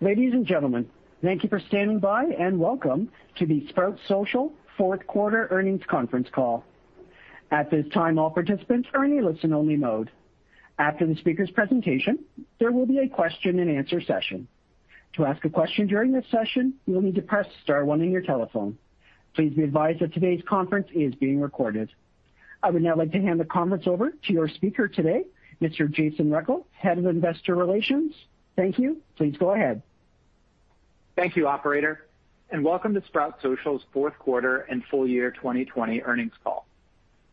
Ladies and gentlemen, thank you for standing by and welcome to the Sprout Social fourth quarter earnings conference call. At this time, all participants are in a listen-only mode. After the speaker's presentation, there will be a question-and-answer session. To ask a question during this session, you'll need to press star one in your telephone. Please be advised that today's conference is being recorded. I would now like to hand the conference over to your speaker today, Mr. Jason Rechel, Head of Investor Relations. Thank you. Please go ahead. Thank you, Operator, and welcome to Sprout Social's fourth quarter and full year 2020 earnings call.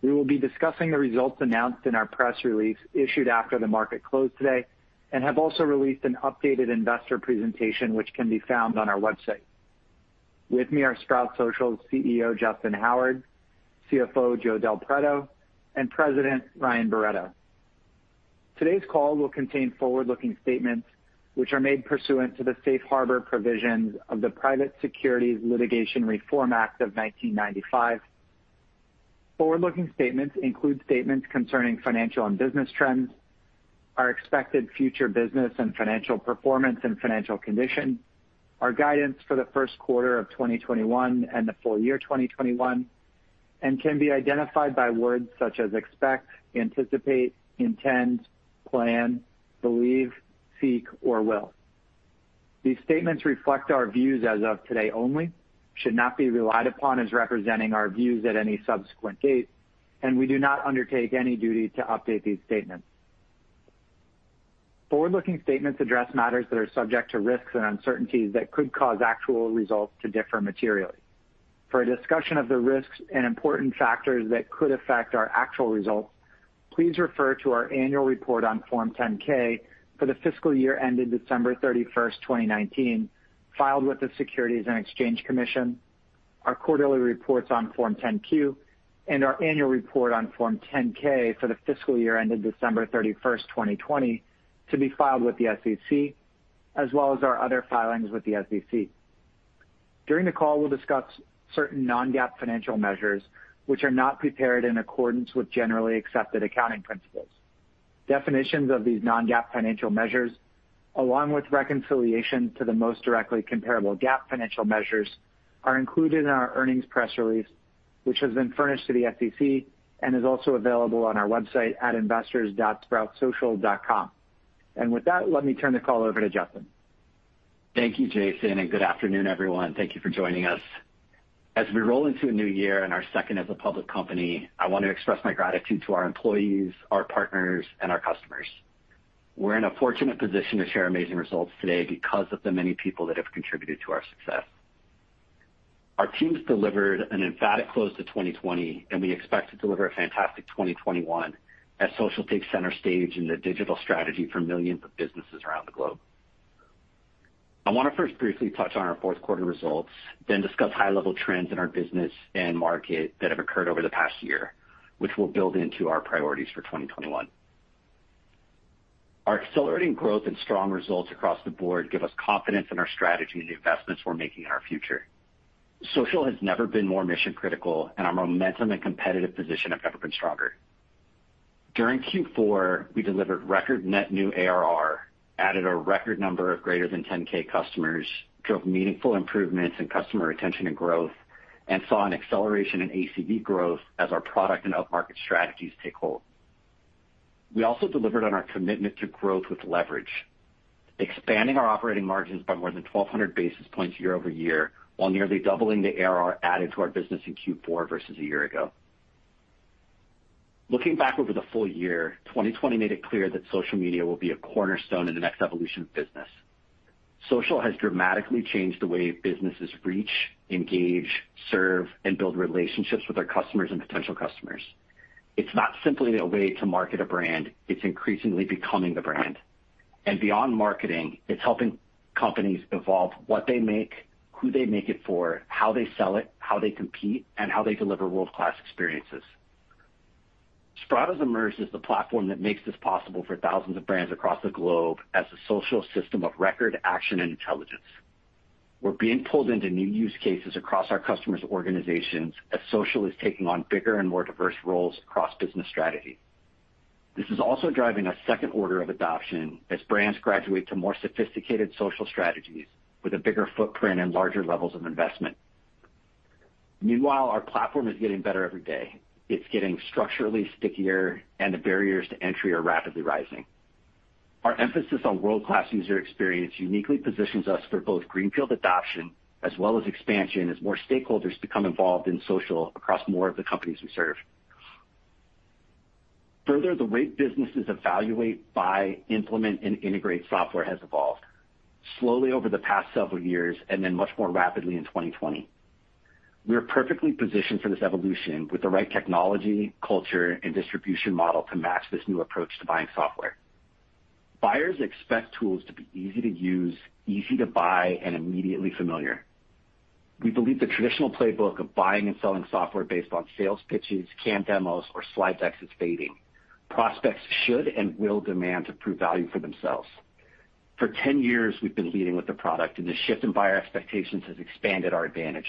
We will be discussing the results announced in our press release issued after the market closed today and have also released an updated investor presentation, which can be found on our website. With me are Sprout Social's CEO, Justyn Howard, CFO, Joe Del Preto, and President, Ryan Barretto. Today's call will contain forward-looking statements, which are made pursuant to the safe harbor provisions of the Private Securities Litigation Reform Act of 1995. Forward-looking statements include statements concerning financial and business trends, our expected future business and financial performance and financial condition, our guidance for the first quarter of 2021 and the full year 2021, and can be identified by words such as expect, anticipate, intend, plan, believe, seek, or will. These statements reflect our views as of today only, should not be relied upon as representing our views at any subsequent date, and we do not undertake any duty to update these statements. Forward-looking statements address matters that are subject to risks and uncertainties that could cause actual results to differ materially. For a discussion of the risks and important factors that could affect our actual results, please refer to our annual report on Form 10-K for the fiscal year ended December 31st, 2019, filed with the Securities and Exchange Commission, our quarterly reports on Form 10-Q, and our annual report on Form 10-K for the fiscal year ended December 31st, 2020, to be filed with the SEC, as well as our other filings with the SEC. During the call, we'll discuss certain non-GAAP financial measures, which are not prepared in accordance with generally accepted accounting principles. Definitions of these non-GAAP financial measures, along with reconciliation to the most directly comparable GAAP financial measures, are included in our earnings press release, which has been furnished to the SEC and is also available on our website at investors.sproutsocial.com. And with that, let me turn the call over to Justyn. Thank you, Jason, and good afternoon, everyone. Thank you for joining us. As we roll into a new year and our second as a public company, I want to express my gratitude to our employees, our partners, and our customers. We're in a fortunate position to share amazing results today because of the many people that have contributed to our success. Our teams delivered an emphatic close to 2020, and we expect to deliver a fantastic 2021 as Social takes center stage in the digital strategy for millions of businesses around the globe. I want to first briefly touch on our fourth quarter results, then discuss high-level trends in our business and market that have occurred over the past year, which will build into our priorities for 2021. Our accelerating growth and strong results across the board give us confidence in our strategy and the investments we're making in our future. Social has never been more mission-critical, and our momentum and competitive position have never been stronger. During Q4, we delivered record net new ARR, added a record number of greater than 10,000 customers, drove meaningful improvements in customer retention and growth, and saw an acceleration in ACV growth as our product and up-market strategies take hold. We also delivered on our commitment to growth with leverage, expanding our operating margins by more than 1,200 basis points year-over-year, while nearly doubling the ARR added to our business in Q4 versus a year ago. Looking back over the full year, 2020 made it clear that social media will be a cornerstone in the next evolution of business. Social has dramatically changed the way businesses reach, engage, serve, and build relationships with our customers and potential customers. It's not simply a way to market a brand. It's increasingly becoming the brand. And beyond marketing, it's helping companies evolve what they make, who they make it for, how they sell it, how they compete, and how they deliver world-class experiences. Sprout has emerged as the platform that makes this possible for thousands of brands across the globe as a social system of record, action, and intelligence. We're being pulled into new use cases across our customers' organizations as Social is taking on bigger and more diverse roles across business strategy. This is also driving a second order of adoption as brands graduate to more sophisticated social strategies with a bigger footprint and larger levels of investment. Meanwhile, our platform is getting better every day. It's getting structurally stickier, and the barriers to entry are rapidly rising. Our emphasis on world-class user experience uniquely positions us for both greenfield adoption as well as expansion as more stakeholders become involved in Social across more of the companies we serve. Further, the way businesses evaluate, buy, implement, and integrate software has evolved slowly over the past several years and then much more rapidly in 2020. We're perfectly positioned for this evolution with the right technology, culture, and distribution model to match this new approach to buying software. Buyers expect tools to be easy to use, easy to buy, and immediately familiar. We believe the traditional playbook of buying and selling software based on sales pitches, canned demos, or slide decks is fading. Prospects should and will demand to prove value for themselves. For 10 years, we've been leading with the product, and the shift in buyer expectations has expanded our advantage.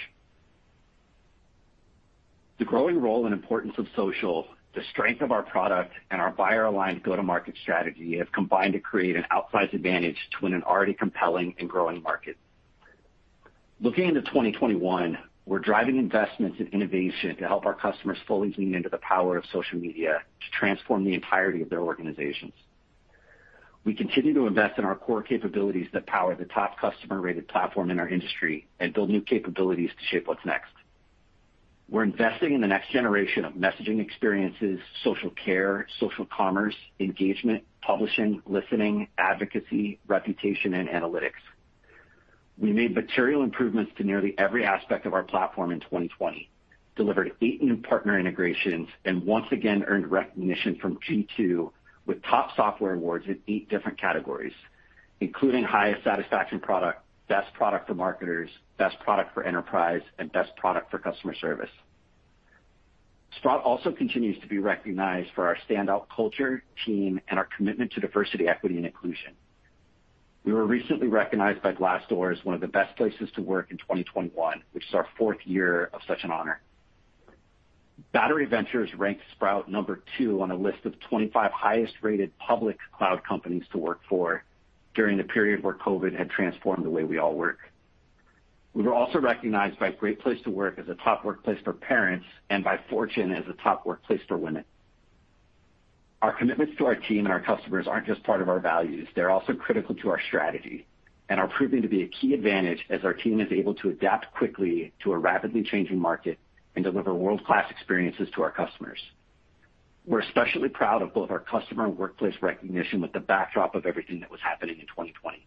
The growing role and importance of social, the strength of our product, and our buyer-aligned go-to-market strategy have combined to create an outsized advantage to an already compelling and growing market. Looking into 2021, we're driving investments in innovation to help our customers fully lean into the power of social media to transform the entirety of their organizations. We continue to invest in our core capabilities that power the top customer-rated platform in our industry and build new capabilities to shape what's next. We're investing in the next generation of messaging experiences, social care, social commerce, engagement, publishing, listening, advocacy, reputation, and analytics. We made material improvements to nearly every aspect of our platform in 2020, delivered eight new partner integrations, and once again earned recognition from G2 with top software awards in eight different categories, including highest satisfaction product, best product for marketers, best product for enterprise, and best product for customer service. Sprout also continues to be recognized for our standout culture, team, and our commitment to diversity, equity, and inclusion. We were recently recognized by Glassdoor as one of the best places to work in 2021, which is our fourth year of such an honor. Battery Ventures ranked Sprout number two on a list of 25 highest-rated public cloud companies to work for during the period where COVID had transformed the way we all work. We were also recognized by Great Place to Work as a top workplace for parents and by Fortune as a top workplace for women. Our commitments to our team and our customers aren't just part of our values. They're also critical to our strategy and are proving to be a key advantage as our team is able to adapt quickly to a rapidly changing market and deliver world-class experiences to our customers. We're especially proud of both our customer and workplace recognition with the backdrop of everything that was happening in 2020.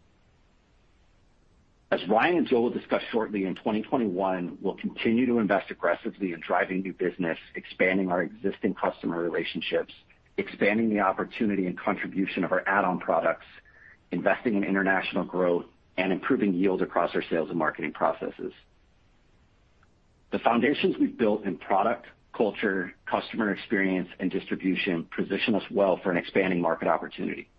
As Ryan and Joe will discuss shortly, in 2021, we'll continue to invest aggressively in driving new business, expanding our existing customer relationships, expanding the opportunity and contribution of our add-on products, investing in international growth, and improving yields across our sales and marketing processes. The foundations we've built in product, culture, customer experience, and distribution position us well for an expanding market opportunity.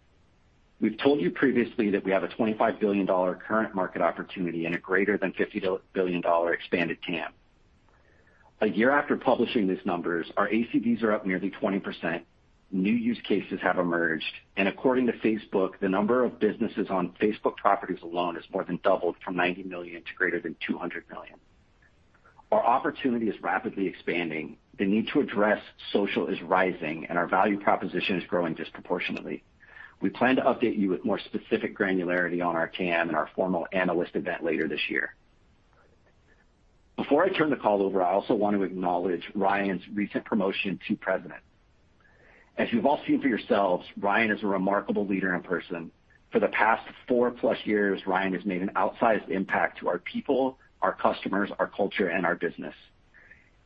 We've told you previously that we have a $25 billion current market opportunity and a greater than $50 billion expanded TAM. A year after publishing these numbers, our ACVs are up nearly 20%, new use cases have emerged, and according to Facebook, the number of businesses on Facebook properties alone has more than doubled from 90 million to greater than 200 million. Our opportunity is rapidly expanding, the need to address Social is rising, and our value proposition is growing disproportionately. We plan to update you with more specific granularity on our TAM and our formal analyst event later this year. Before I turn the call over, I also want to acknowledge Ryan's recent promotion to President. As you've all seen for yourselves, Ryan is a remarkable leader and person. For the past 4+ years, Ryan has made an outsized impact to our people, our customers, our culture, and our business.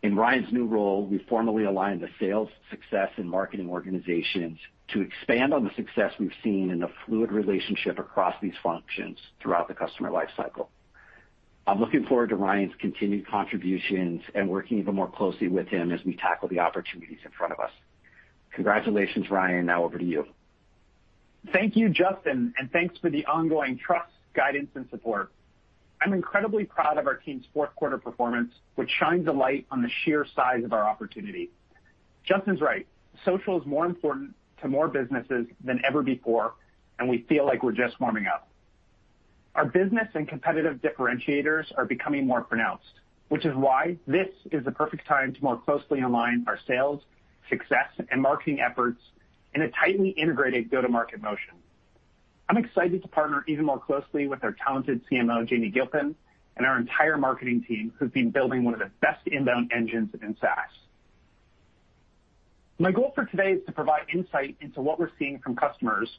In Ryan's new role, we formally align the sales, success, and marketing organizations to expand on the success we've seen in a fluid relationship across these functions throughout the customer lifecycle. I'm looking forward to Ryan's continued contributions and working even more closely with him as we tackle the opportunities in front of us. Congratulations, Ryan. Now over to you. Thank you, Justyn, and thanks for the ongoing trust, guidance, and support. I'm incredibly proud of our team's fourth quarter performance, which shines a light on the sheer size of our opportunity. Justyn's right. Social is more important to more businesses than ever before, and we feel like we're just warming up. Our business and competitive differentiators are becoming more pronounced, which is why this is the perfect time to more closely align our sales, success, and marketing efforts in a tightly integrated go-to-market motion. I'm excited to partner even more closely with our talented CMO, Jamie Gilpin, and our entire marketing team who's been building one of the best inbound engines in SaaS. My goal for today is to provide insight into what we're seeing from customers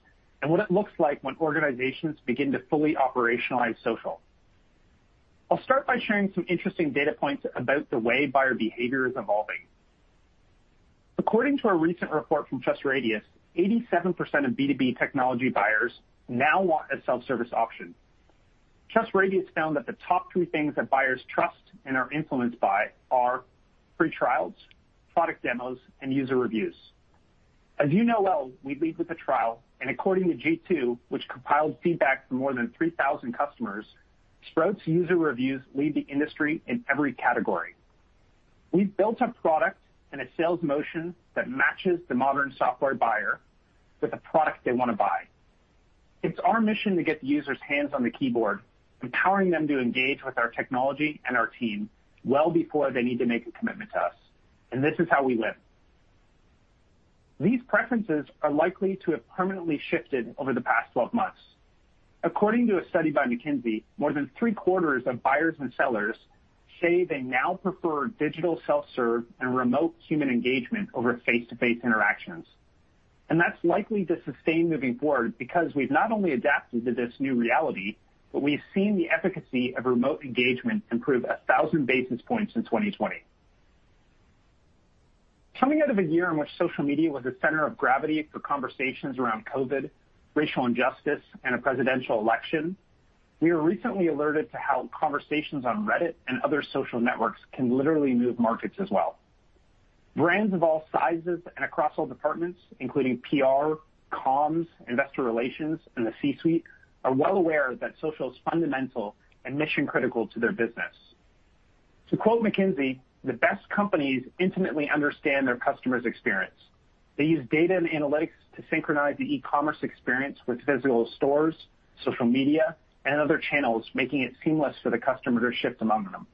and what it looks like when organizations begin to fully operationalize social. I'll start by sharing some interesting data points about the way buyer behavior is evolving. According to a recent report from TrustRadius, 87% of B2B technology buyers now want a self-service option. TrustRadius found that the top three things that buyers trust and are influenced by are free trials, product demos, and user reviews. As you know well, we lead with the trial, and according to G2, which compiled feedback from more than 3,000 customers, Sprout's user reviews lead the industry in every category. We've built a product and a sales motion that matches the modern software buyer with a product they want to buy. It's our mission to get the user's hands on the keyboard, empowering them to engage with our technology and our team well before they need to make a commitment to us, and this is how we win. These preferences are likely to have permanently shifted over the past 12 months. According to a study by McKinsey, more than 3/4 of buyers and sellers say they now prefer digital self-serve and remote human engagement over face-to-face interactions, and that's likely to sustain moving forward because we've not only adapted to this new reality, but we've seen the efficacy of remote engagement improve 1,000 basis points in 2020. Coming out of a year in which social media was the center of gravity for conversations around COVID, racial injustice, and a presidential election, we were recently alerted to how conversations on Reddit and other social networks can literally move markets as well. Brands of all sizes and across all departments, including PR, comms, investor relations, and the C-suite, are well aware that social is fundamental and mission-critical to their business. To quote McKinsey, "The best companies intimately understand their customer's experience. They use data and analytics to synchronize the e-commerce experience with physical stores, social media, and other channels, making it seamless for the customer to shift among them."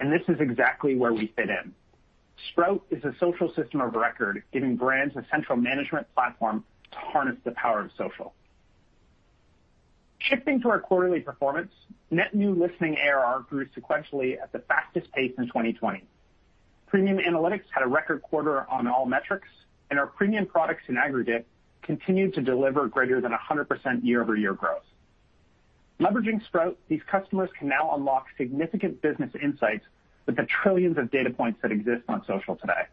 And this is exactly where we fit in. Sprout is a social system of record, giving brands a central management platform to harness the power of social. Shifting to our quarterly performance, net new Listening ARR grew sequentially at the fastest pace in 2020. Premium Analytics had a record quarter on all metrics, and our premium products in aggregate continued to deliver greater than 100% year-over-year growth. Leveraging Sprout, these customers can now unlock significant business insights with the trillions of data points that exist on social today.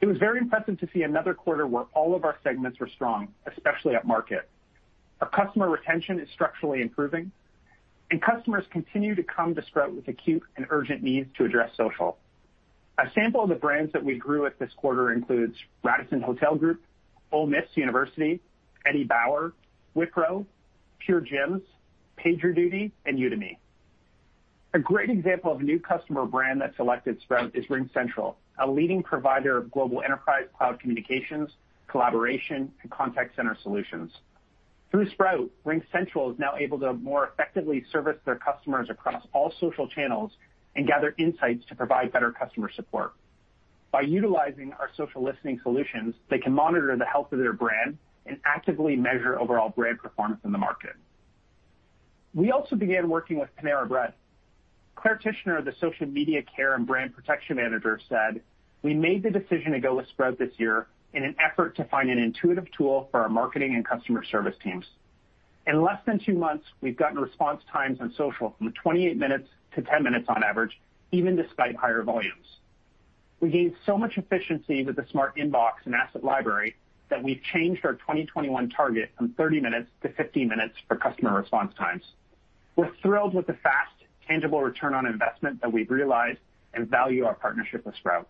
It was very impressive to see another quarter where all of our segments were strong, especially at market. Our customer retention is structurally improving, and customers continue to come to Sprout with acute and urgent needs to address social. A sample of the brands that we grew with this quarter includes Radisson Hotel Group, Ole Miss University, Eddie Bauer, Wipro, Pure Gyms, PagerDuty, and Udemy. A great example of a new customer brand that selected Sprout is RingCentral, a leading provider of global enterprise cloud communications, collaboration, and contact center solutions. Through Sprout, RingCentral is now able to more effectively service their customers across all social channels and gather insights to provide better customer support. By utilizing our social listening solutions, they can monitor the health of their brand and actively measure overall brand performance in the market. We also began working with Panera Bread. Claire Tichenor, the Social Media Care and Brand Protection Manager, said, "We made the decision to go with Sprout this year in an effort to find an intuitive tool for our marketing and customer service teams." In less than two months, we've gotten response times on social from 28 minutes to 10 minutes on average, even despite higher volumes. We gained so much efficiency with the Smart Inbox and Asset Library that we've changed our 2021 target from 30 minutes to 15 minutes for customer response times. We're thrilled with the fast, tangible return on investment that we've realized and value our partnership with Sprout.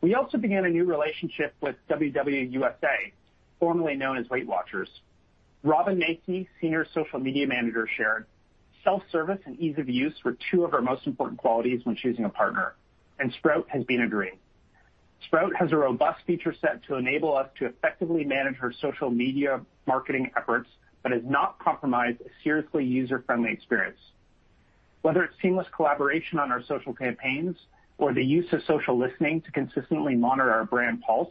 We also began a new relationship with WW USA, formerly known as Weight Watchers. Robin Macy, Senior Social Media Manager, shared, "Self-service and ease of use were two of our most important qualities when choosing a partner, and Sprout has been exceeding. Sprout has a robust feature set to enable us to effectively manage our social media marketing efforts but has not compromised a seriously user-friendly experience. Whether it's seamless collaboration on our social campaigns or the use of social listening to consistently monitor our brand pulse,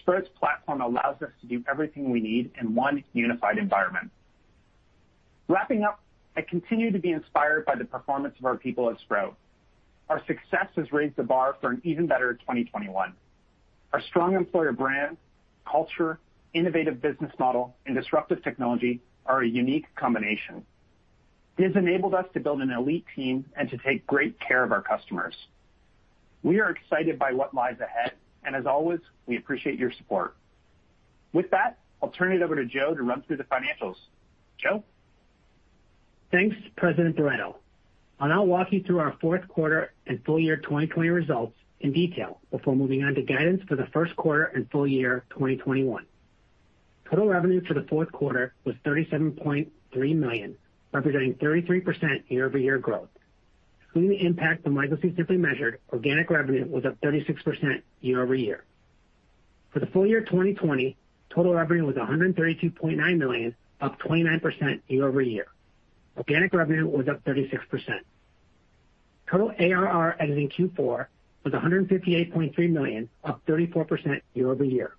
Sprout's platform allows us to do everything we need in one unified environment." Wrapping up, I continue to be inspired by the performance of our people at Sprout. Our success has raised the bar for an even better 2021. Our strong employer brand, culture, innovative business model, and disruptive technology are a unique combination. It has enabled us to build an elite team and to take great care of our customers. We are excited by what lies ahead, and as always, we appreciate your support. With that, I'll turn it over to Joe to run through the financials. Joe? Thanks, President Barretto. I'll now walk you through our fourth quarter and full year 2020 results in detail before moving on to guidance for the first quarter and full year 2021. Total revenue for the fourth quarter was $37.3 million, representing 33% year-over-year growth. Excluding the impact from legacy Simply Measured, organic revenue was up 36% year-over-year. For the full year 2020, total revenue was $132.9 million, up 29% year-over-year. Organic revenue was up 36%. Total ARR as of Q4 was $158.3 million, up 34% year-over-year.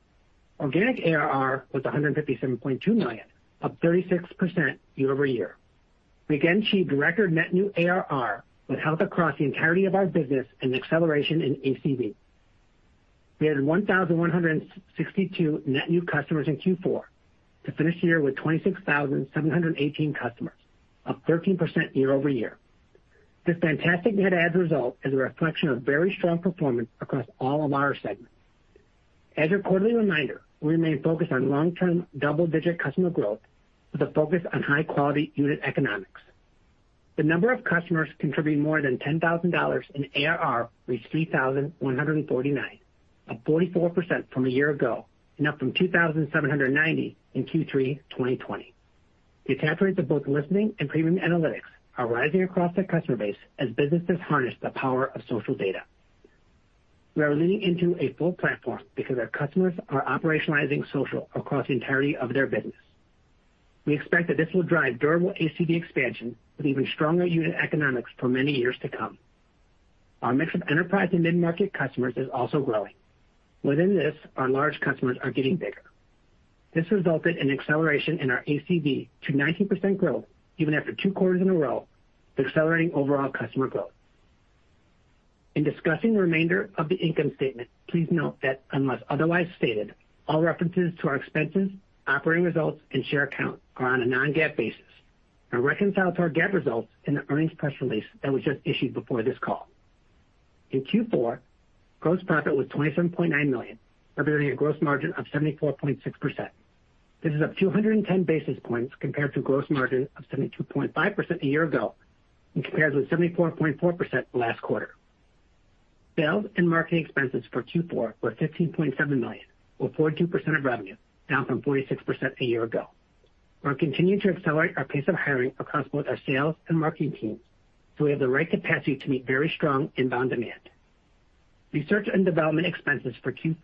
Organic ARR was $157.2 million, up 36% year-over-year. We again achieved record net new ARR with strength across the entirety of our business and acceleration in ACV. We had 1,162 net new customers in Q4 to finish the year with 26,718 customers, up 13% year-over-year. This fantastic net add result is a reflection of very strong performance across all of our segments. As your quarterly reminder, we remain focused on long-term double-digit customer growth with a focus on high-quality unit economics. The number of customers contributing more than $10,000 in ARR reached 3,149, up 44% from a year ago and up from 2,790 in Q3 2020. The attachments of both Listening and Premium Analytics are rising across our customer base as businesses harness the power of social data. We are leaning into a full platform because our customers are operationalizing social across the entirety of their business. We expect that this will drive durable ACV expansion with even stronger unit economics for many years to come. Our mix of enterprise and mid-market customers is also growing. Within this, our large customers are getting bigger. This resulted in acceleration in our ACV to 19% growth even after two quarters in a row with accelerating overall customer growth. In discussing the remainder of the income statement, please note that unless otherwise stated, all references to our expenses, operating results, and share count are on a non-GAAP basis. I reconcile to our GAAP results in the earnings press release that was just issued before this call. In Q4, gross profit was $27.9 million, representing a gross margin of 74.6%. This is up 210 basis points compared to a gross margin of 72.5% a year ago when compared with 74.4% last quarter. Sales and marketing expenses for Q4 were $15.7 million, or 42% of revenue, down from 46% a year ago. We're continuing to accelerate our pace of hiring across both our sales and marketing teams, so we have the right capacity to meet very strong inbound demand. Research and development expenses for Q4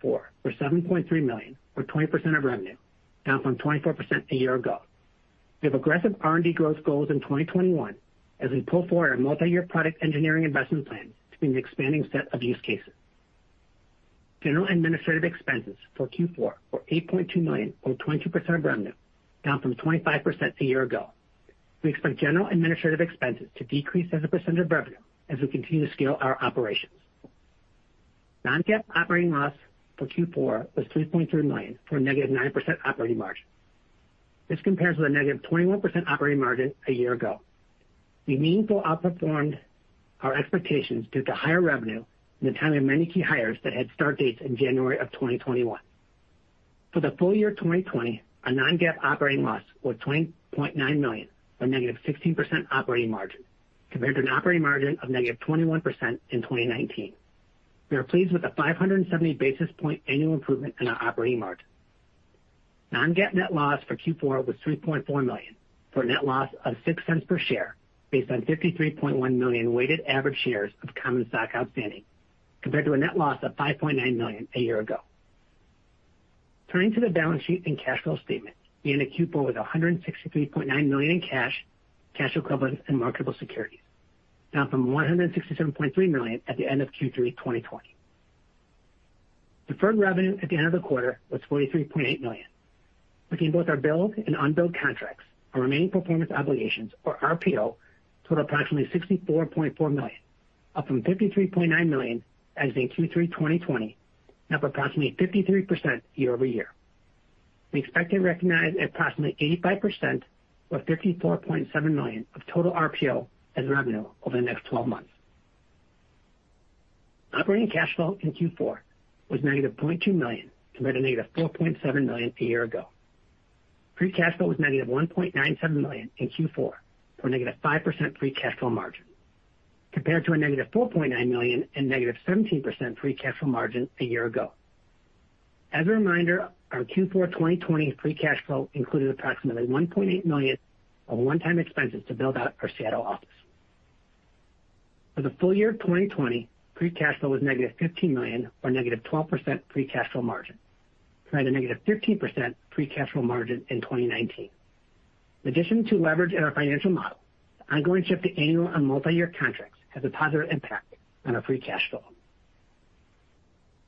were $7.3 million, or 20% of revenue, down from 24% a year ago. We have aggressive R&D growth goals in 2021 as we pull forward our multi-year product engineering investment plan to meet an expanding set of use cases. General administrative expenses for Q4 were $8.2 million, or 22% of revenue, down from 25% a year ago. We expect general administrative expenses to decrease 7% of revenue as we continue to scale our operations. Non-GAAP operating loss for Q4 was $3.3 million for a -9% operating margin. This compares with a -21% operating margin a year ago. We meaningfully outperformed our expectations due to higher revenue and the timing of many key hires that had start dates in January of 2021. For the full year 2020, our Non-GAAP operating loss was $20.9 million, or -16% operating margin, compared to an operating margin of -21% in 2019. We are pleased with a 570 basis point annual improvement in our operating margin. Non-GAAP net loss for Q4 was $3.4 million, for a net loss of $0.06 per share based on 53.1 million weighted average shares of common stock outstanding, compared to a net loss of $5.9 million a year ago. Turning to the balance sheet and cash flow statement, we ended Q4 with $163.9 million in cash, cash equivalents, and marketable securities, down from $167.3 million at the end of Q3 2020. Deferred revenue at the end of the quarter was $43.8 million. Looking at both our billed and unbilled contracts, our remaining performance obligations, or RPO, total approximately $64.4 million, up from $53.9 million as in Q3 2020, up approximately 53% year-over-year. We expect to recognize approximately 85% or $54.7 million of total RPO as revenue over the next 12 months. Operating cash flow in Q4 was -$0.2 million compared to -$4.7 million a year ago. Free cash flow was -$1.97 million in Q4 for a -5% free cash flow margin, compared to a -$4.9 million and -17% free cash flow margin a year ago. As a reminder, our Q4 2020 free cash flow included approximately $1.8 million of one-time expenses to build out our Seattle office. For the full year 2020, free cash flow was -$15 million, or -12% free cash flow margin, compared to -15% free cash flow margin in 2019. In addition to leverage in our financial model, the ongoing shift to annual and multi-year contracts has a positive impact on our free cash flow.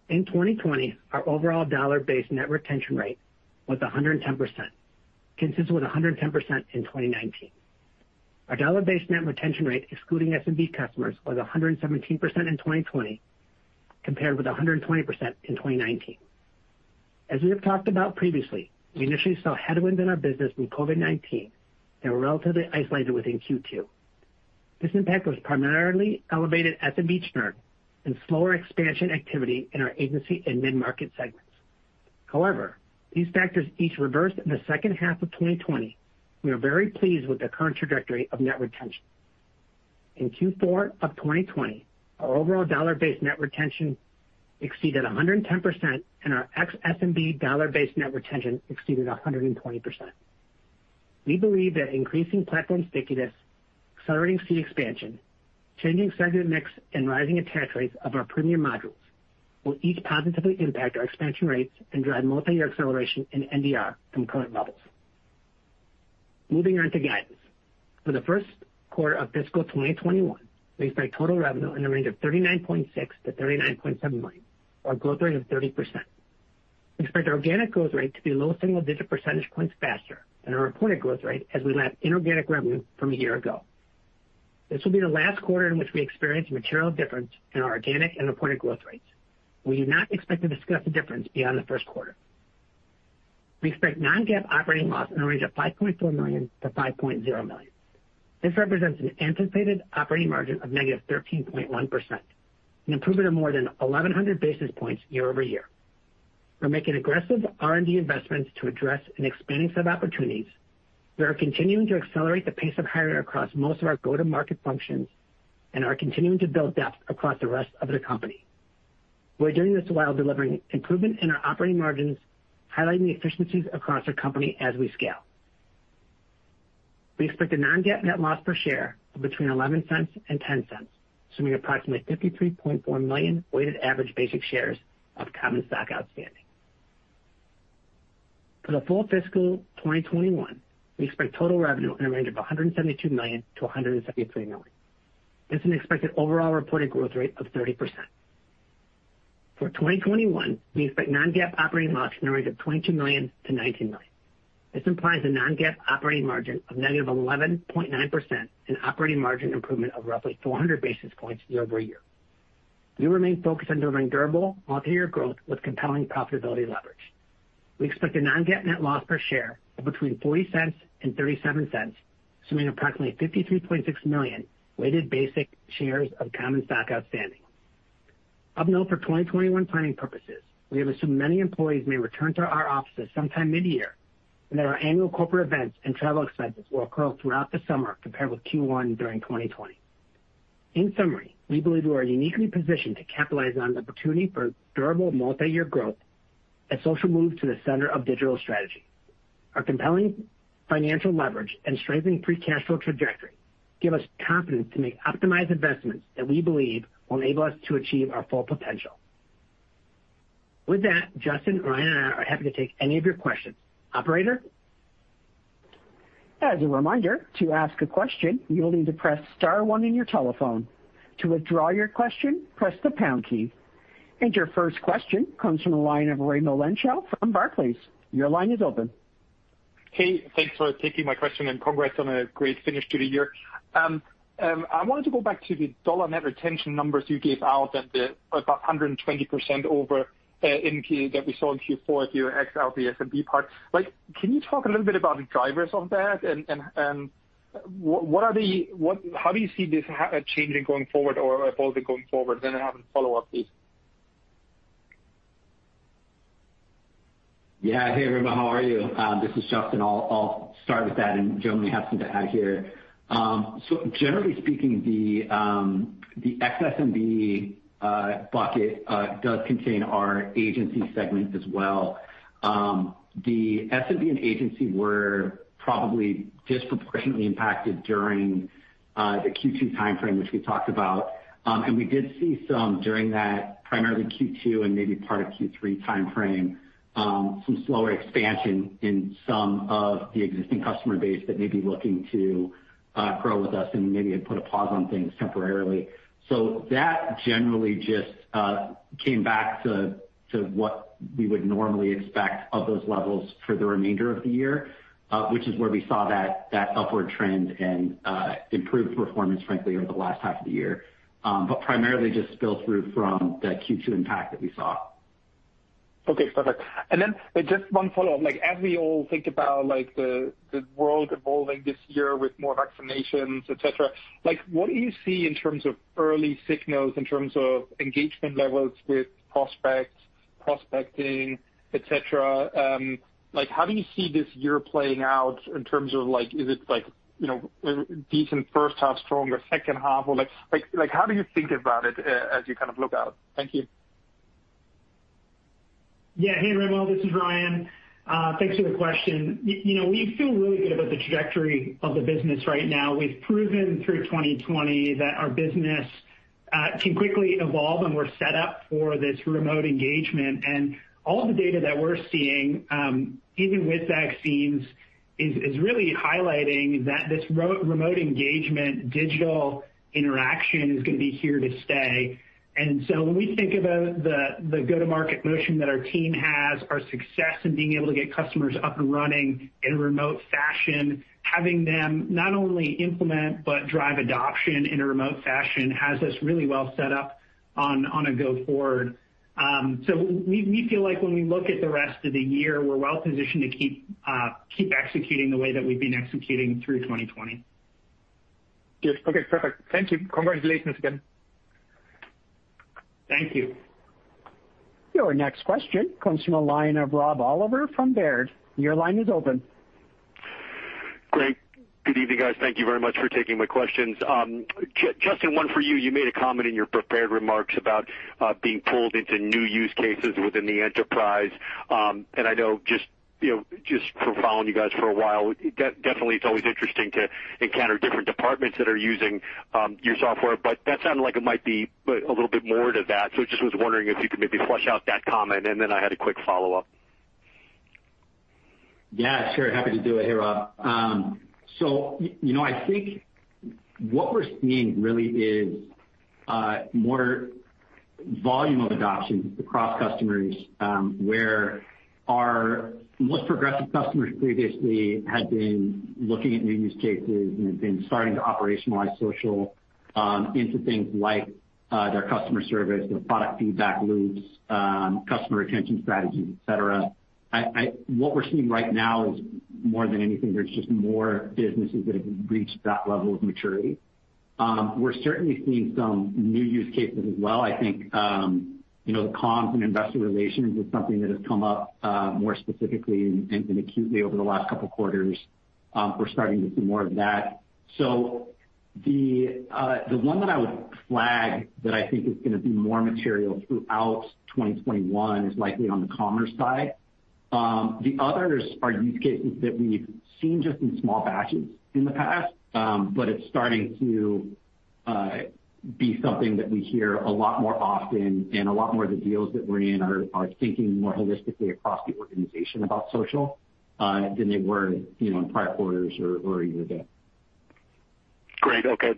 In 2020, our overall dollar-based net retention rate was 110%, consistent with 110% in 2019. Our dollar-based net retention rate, excluding SMB customers, was 117% in 2020, compared with 120% in 2019. As we have talked about previously, we initially saw headwinds in our business from COVID-19 that were relatively isolated within Q2. This impact was primarily elevated at the SMB end and slower expansion activity in our agency and mid-market segments. However, these factors each reversed in the second half of 2020, and we are very pleased with the current trajectory of net retention. In Q4 of 2020, our overall dollar-based net retention exceeded 110%, and our ex-SMB dollar-based net retention exceeded 120%. We believe that increasing platform stickiness, accelerating seat expansion, changing segment mix, and rising attach rates of our premium modules will each positively impact our expansion rates and drive multi-year acceleration in NDR from current levels. Moving on to guidance. For the first quarter of fiscal 2021, we expect total revenue in the range of $39.6 million-$39.7 million, or a growth rate of 30%. We expect our organic growth rate to be lower single-digit percentage points faster than our reported growth rate as we lapse inorganic revenue from a year ago. This will be the last quarter in which we experience material difference in our organic and reported growth rates. We do not expect to discuss the difference beyond the first quarter. We expect non-GAAP operating loss in the range of $5.4 million-$5.0 million. This represents an anticipated operating margin of -13.1%, an improvement of more than 1,100 basis points year-over-year. We're making aggressive R&D investments to address an expanding set of opportunities. We are continuing to accelerate the pace of hiring across most of our go-to-market functions and are continuing to build depth across the rest of the company. We're doing this while delivering improvement in our operating margins, highlighting the efficiencies across our company as we scale. We expect a non-GAAP net loss per share of between $0.11 and $0.10, assuming approximately 53.4 million weighted average basic shares of common stock outstanding. For the full fiscal 2021, we expect total revenue in the range of $172 million-$173 million. This is an expected overall reported growth rate of 30%. For 2021, we expect non-GAAP operating loss in the range of $22 million-$19 million. This implies a non-GAAP operating margin of -11.9% and operating margin improvement of roughly 400 basis points year-over-year. We remain focused on delivering durable multi-year growth with compelling profitability leverage. We expect a non-GAAP net loss per share of between $0.40 and $0.37, assuming approximately 53.6 million weighted basic shares of common stock outstanding. Of note for 2021 planning purposes, we have assumed many employees may return to our offices sometime mid-year, and that our annual corporate events and travel expenses will occur throughout the summer compared with Q1 during 2020. In summary, we believe we are uniquely positioned to capitalize on the opportunity for durable multi-year growth as social moves to the center of digital strategy. Our compelling financial leverage and strengthened free cash flow trajectory give us confidence to make optimized investments that we believe will enable us to achieve our full potential. With that, Justyn, Ryan and I are happy to take any of your questions. Operator? As a reminder, to ask a question, you'll need to press star one in your telephone. To withdraw your question, press the pound key. And your first question comes from the line of Raimo Lenschow from Barclays. Your line is open. Hey, thanks for taking my question and congrats on a great finish to the year. I wanted to go back to the dollar net retention numbers you gave out and the about 120% over in that we saw in Q4, if you X out the SMB part. Can you talk a little bit about the drivers of that? And what are the, how do you see this changing going forward or evolving going forward? Then I have a follow-up, please. Yeah, hey, Raimo, how are you? This is Justyn. I'll start with that and generally have something to add here. So generally speaking, the ex-SMB bucket does contain our agency segment as well. The SMB and agency were probably disproportionately impacted during the Q2 timeframe, which we talked about. And we did see some during that, primarily Q2 and maybe part of Q3 timeframe, some slower expansion in some of the existing customer base that may be looking to grow with us and maybe have put a pause on things temporarily. So that generally just came back to what we would normally expect of those levels for the remainder of the year, which is where we saw that upward trend and improved performance, frankly, over the last half of the year, but primarily just spilled through from the Q2 impact that we saw. Okay, perfect. And then just one follow-up. As we all think about the world evolving this year with more vaccinations, etc., what do you see in terms of early signals, in terms of engagement levels with prospects, prospecting, etc.? How do you see this year playing out in terms of, is it decent first half, stronger second half? How do you think about it as you kind of look out? Thank you. Yeah, hey, Raimo, this is Ryan. Thanks for the question. We feel really good about the trajectory of the business right now. We've proven through 2020 that our business can quickly evolve and we're set up for this remote engagement. And all of the data that we're seeing, even with vaccines, is really highlighting that this remote engagement, digital interaction is going to be here to stay. And so when we think about the go-to-market motion that our team has, our success in being able to get customers up and running in a remote fashion, having them not only implement but drive adoption in a remote fashion has us really well set up on a go-forward. So we feel like when we look at the rest of the year, we're well positioned to keep executing the way that we've been executing through 2020. Good. Okay, perfect. Thank you. Congratulations again. Thank you. Your next question comes from the line of Rob Oliver from Baird. Your line is open. Great. Good evening, guys. Thank you very much for taking my questions. Justyn, one for you. You made a comment in your prepared remarks about being pulled into new use cases within the enterprise. And I know, just from following you guys for a while, definitely it's always interesting to encounter different departments that are using your software, but that sounded like it might be a little bit more than that. So I just was wondering if you could maybe flesh out that comment, and then I had a quick follow-up. Yeah, sure. Happy to do it. Hey, Rob. So I think what we're seeing really is more volume of adoption across customers where our most progressive customers previously had been looking at new use cases and had been starting to operationalize social into things like their customer service, their product feedback loops, customer retention strategies, etc. What we're seeing right now is more than anything, there's just more businesses that have reached that level of maturity. We're certainly seeing some new use cases as well. I think the comms and investor relations is something that has come up more specifically and acutely over the last couple of quarters. We're starting to see more of that. So the one that I would flag that I think is going to be more material throughout 2021 is likely on the commerce side. The others are use cases that we've seen just in small batches in the past, but it's starting to be something that we hear a lot more often and a lot more of the deals that we're in are thinking more holistically across the organization about social than they were in prior quarters or a year ago. Great. Okay.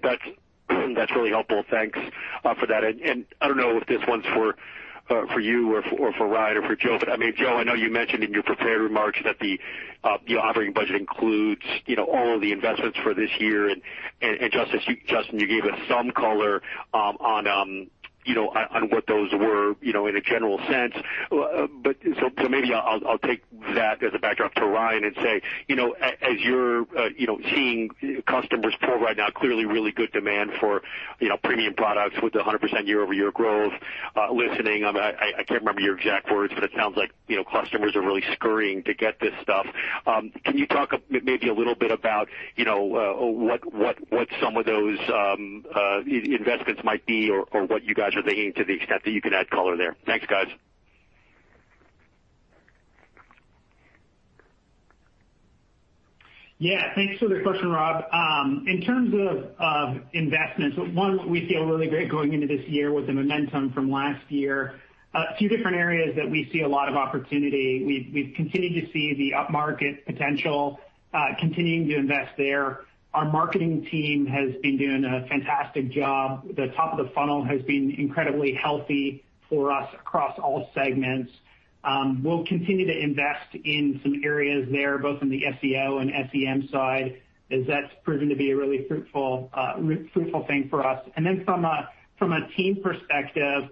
That's really helpful. Thanks for that. And I don't know if this one's for you or for Ryan or for Joe, but I mean, Joe, I know you mentioned in your prepared remarks that the operating budget includes all of the investments for this year. And Justyn, you gave us some color on what those were in a general sense. But so maybe I'll take that as a backdrop to Ryan and say, as you're seeing customers pull right now, clearly really good demand for premium products with 100% year-over-year growth, Listening. I can't remember your exact words, but it sounds like customers are really scurrying to get this stuff. Can you talk maybe a little bit about what some of those investments might be or what you guys are thinking to the extent that you can add color there? Thanks, guys. Yeah, thanks for the question, Rob. In terms of investments, one, we feel really great going into this year with the momentum from last year. A few different areas that we see a lot of opportunity. We've continued to see the upmarket potential, continuing to invest there. Our marketing team has been doing a fantastic job. The top of the funnel has been incredibly healthy for us across all segments. We'll continue to invest in some areas there, both on the SEO and SEM side, as that's proven to be a really fruitful thing for us. And then from a team perspective,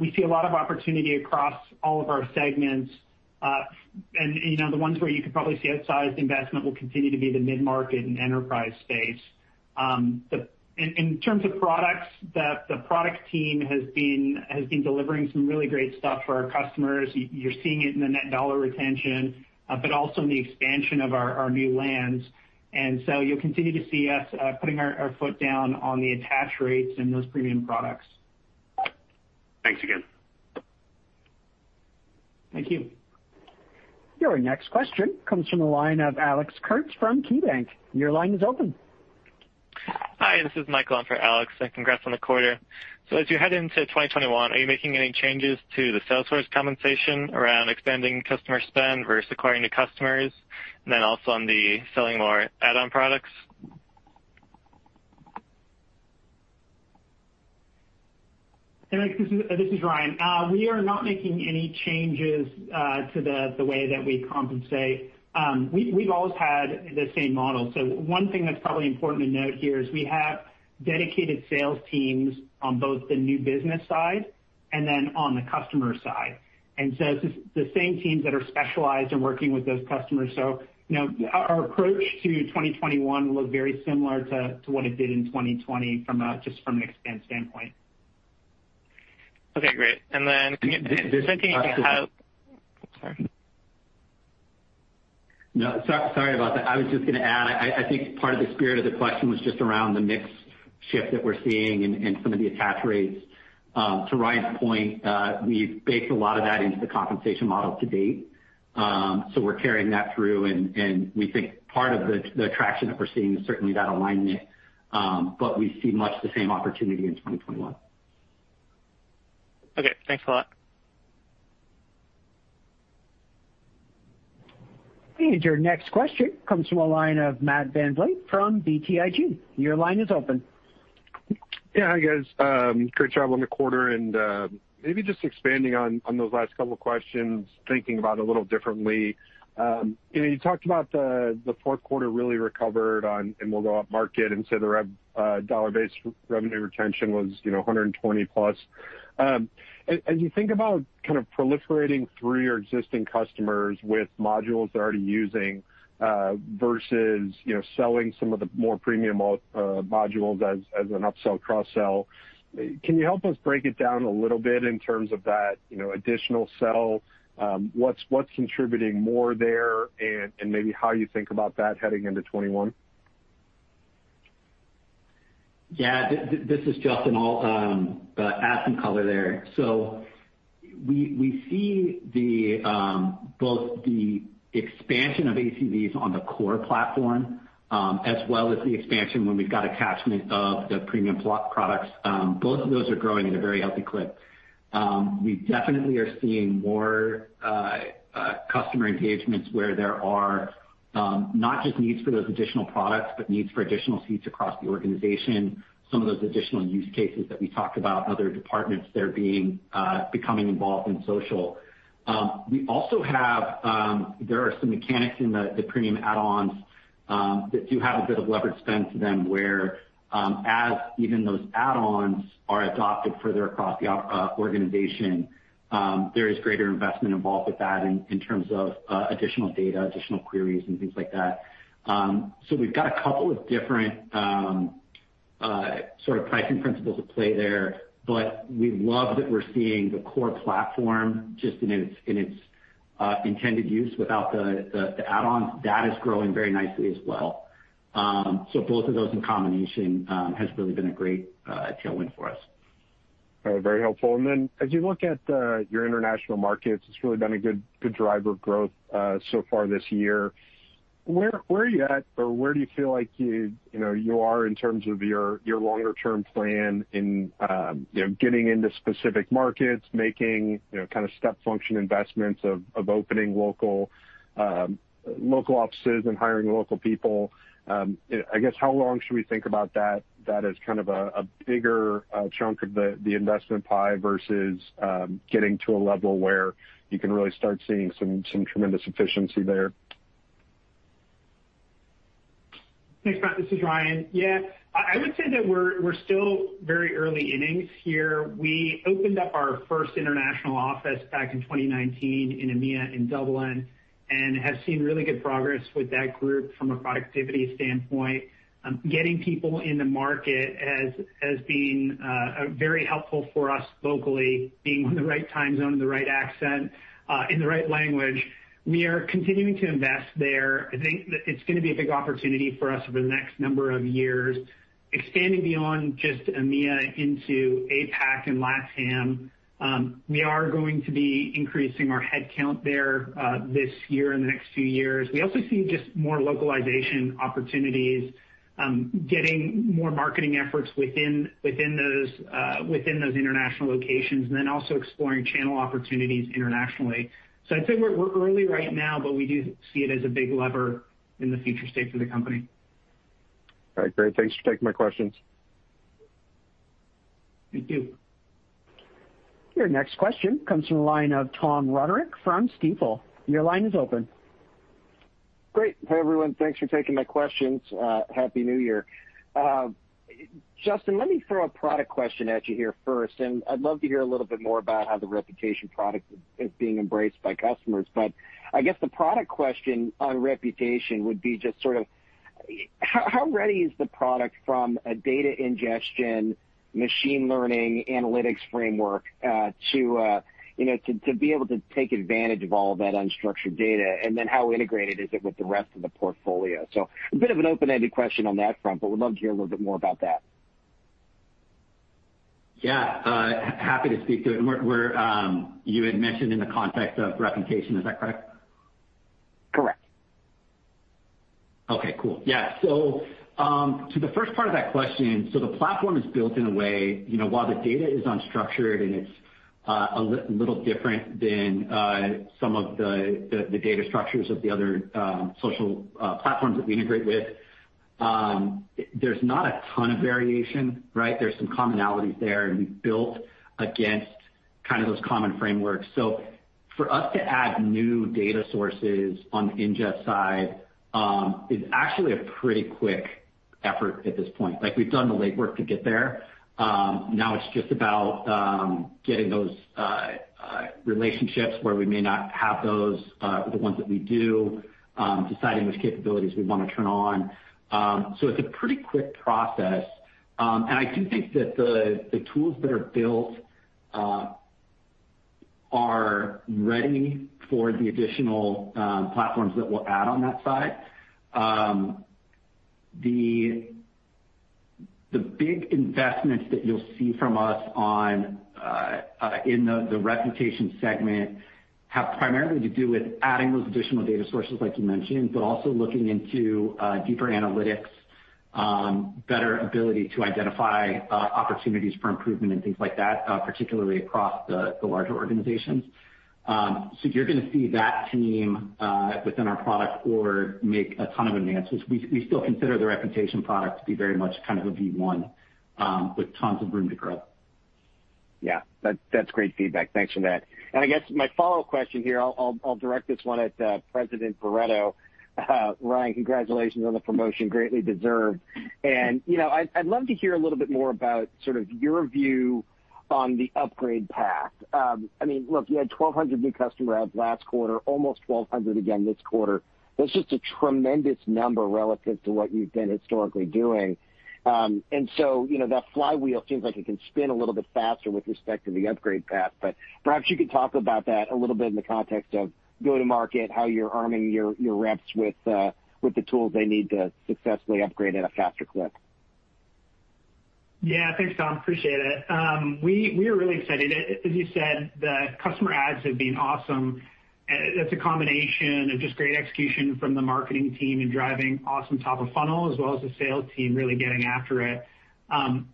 we see a lot of opportunity across all of our segments. And the ones where you could probably see outsized investment will continue to be the mid-market and enterprise space. In terms of products, the product team has been delivering some really great stuff for our customers. You're seeing it in the net dollar retention, but also in the expansion of our new lands, and so you'll continue to see us putting our foot down on the attach rates and those premium products. Thanks again. Thank you. Your next question comes from the line of Alex Kurtz from KeyBanc. Your line is open. Hi, this is Michael on for Alex. Congrats on the quarter. So as you head into 2021, are you making any changes to the sales force compensation around expanding customer spend versus acquiring new customers, and then also on the selling more add-on products? This is Ryan. We are not making any changes to the way that we compensate. We've always had the same model. So one thing that's probably important to note here is we have dedicated sales teams on both the new business side and then on the customer side. And so it's the same teams that are specialized in working with those customers. So our approach to 2021 will look very similar to what it did in 2020 just from an expense standpoint. Okay, great, and then can you say something about how, sorry. No, sorry about that. I was just going to add, I think part of the spirit of the question was just around the mix shift that we're seeing and some of the attach rates. To Ryan's point, we've baked a lot of that into the compensation model to date. So we're carrying that through, and we think part of the traction that we're seeing is certainly that alignment, but we see much the same opportunity in 2021. Okay, thanks a lot. Your next question comes from a line of Matt VanVliet from BTIG. Your line is open. Yeah, hi guys. Great job on the quarter, and maybe just expanding on those last couple of questions, thinking about it a little differently. You talked about the fourth quarter really recovered, and we'll go up market, and so the dollar-based revenue retention was 120+%. As you think about kind of proliferating through your existing customers with modules they're already using versus selling some of the more premium modules as an upsell cross-sell, can you help us break it down a little bit in terms of that additional sell? What's contributing more there and maybe how you think about that heading into 2021? Yeah, this is Justyn. I'll add some color there. So we see both the expansion of ACVs on the core platform as well as the expansion when we've got attachment of the premium products. Both of those are growing at a very healthy clip. We definitely are seeing more customer engagements where there are not just needs for those additional products, but needs for additional seats across the organization, some of those additional use cases that we talked about, other departments there becoming involved in social. We also have. There are some mechanics in the premium add-ons that do have a bit of levered spend to them whereas even those add-ons are adopted further across the organization, there is greater investment involved with that in terms of additional data, additional queries, and things like that. So we've got a couple of different sort of pricing principles at play there, but we love that we're seeing the core platform just in its intended use without the add-ons. That is growing very nicely as well. So both of those in combination has really been a great tailwind for us. Very helpful. And then as you look at your international markets, it's really been a good driver of growth so far this year. Where are you at or where do you feel like you are in terms of your longer-term plan in getting into specific markets, making kind of step function investments of opening local offices and hiring local people? I guess how long should we think about that as kind of a bigger chunk of the investment pie versus getting to a level where you can really start seeing some tremendous efficiency there? Thanks, Matt. This is Ryan. Yeah, I would say that we're still very early innings here. We opened up our first international office back in 2019 in EMEA in Dublin and have seen really good progress with that group from a productivity standpoint. Getting people in the market has been very helpful for us locally, being in the right time zone, in the right accent, in the right language. We are continuing to invest there. I think it's going to be a big opportunity for us over the next number of years. Expanding beyond just EMEA into APAC and LATAM, we are going to be increasing our headcount there this year and the next few years. We also see just more localization opportunities, getting more marketing efforts within those international locations, and then also exploring channel opportunities internationally. I'd say we're early right now, but we do see it as a big lever in the future state for the company. All right, great. Thanks for taking my questions. Thank you. Your next question comes from the line of Tom Roderick from Stifel. Your line is open. Great. Hey, everyone. Thanks for taking my questions. Happy new year. Justyn, let me throw a product question at you here first, and I'd love to hear a little bit more about how the reputation product is being embraced by customers, but I guess the product question on reputation would be just sort of how ready is the product from a data ingestion, machine learning, analytics framework to be able to take advantage of all that unstructured data, and then how integrated is it with the rest of the portfolio, so a bit of an open-ended question on that front, but we'd love to hear a little bit more about that. Yeah, happy to speak to it. You had mentioned in the context of reputation. Is that correct? Correct. Okay, cool. Yeah. So to the first part of that question, so the platform is built in a way while the data is unstructured and it's a little different than some of the data structures of the other social platforms that we integrate with. There's not a ton of variation, right? There's some commonalities there, and we've built against kind of those common frameworks. So for us to add new data sources on the ingest side is actually a pretty quick effort at this point. We've done the legwork to get there. Now it's just about getting those relationships where we may not have those with the ones that we do, deciding which capabilities we want to turn on. So it's a pretty quick process, and I do think that the tools that are built are ready for the additional platforms that we'll add on that side. The big investments that you'll see from us in the reputation segment have primarily to do with adding those additional data sources like you mentioned, but also looking into deeper analytics, better ability to identify opportunities for improvement and things like that, particularly across the larger organizations. So you're going to see that team within our product org make a ton of advances. We still consider the reputation product to be very much kind of a V1 with tons of room to grow. Yeah, that's great feedback. Thanks for that. And I guess my follow-up question here, I'll direct this one at President Barretto. Ryan, congratulations on the promotion. Greatly deserved. And I'd love to hear a little bit more about sort of your view on the upgrade path. I mean, look, you had 1,200 new customers last quarter, almost 1,200 again this quarter. That's just a tremendous number relative to what you've been historically doing. And so that flywheel seems like it can spin a little bit faster with respect to the upgrade path. But perhaps you could talk about that a little bit in the context of go-to-market, how you're arming your reps with the tools they need to successfully upgrade at a faster clip. Yeah, thanks, Tom. Appreciate it. We are really excited. As you said, the customer ads have been awesome. That's a combination of just great execution from the marketing team and driving awesome top of funnel, as well as the sales team really getting after it.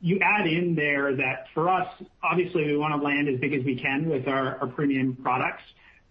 You add in there that for us, obviously, we want to land as big as we can with our premium products.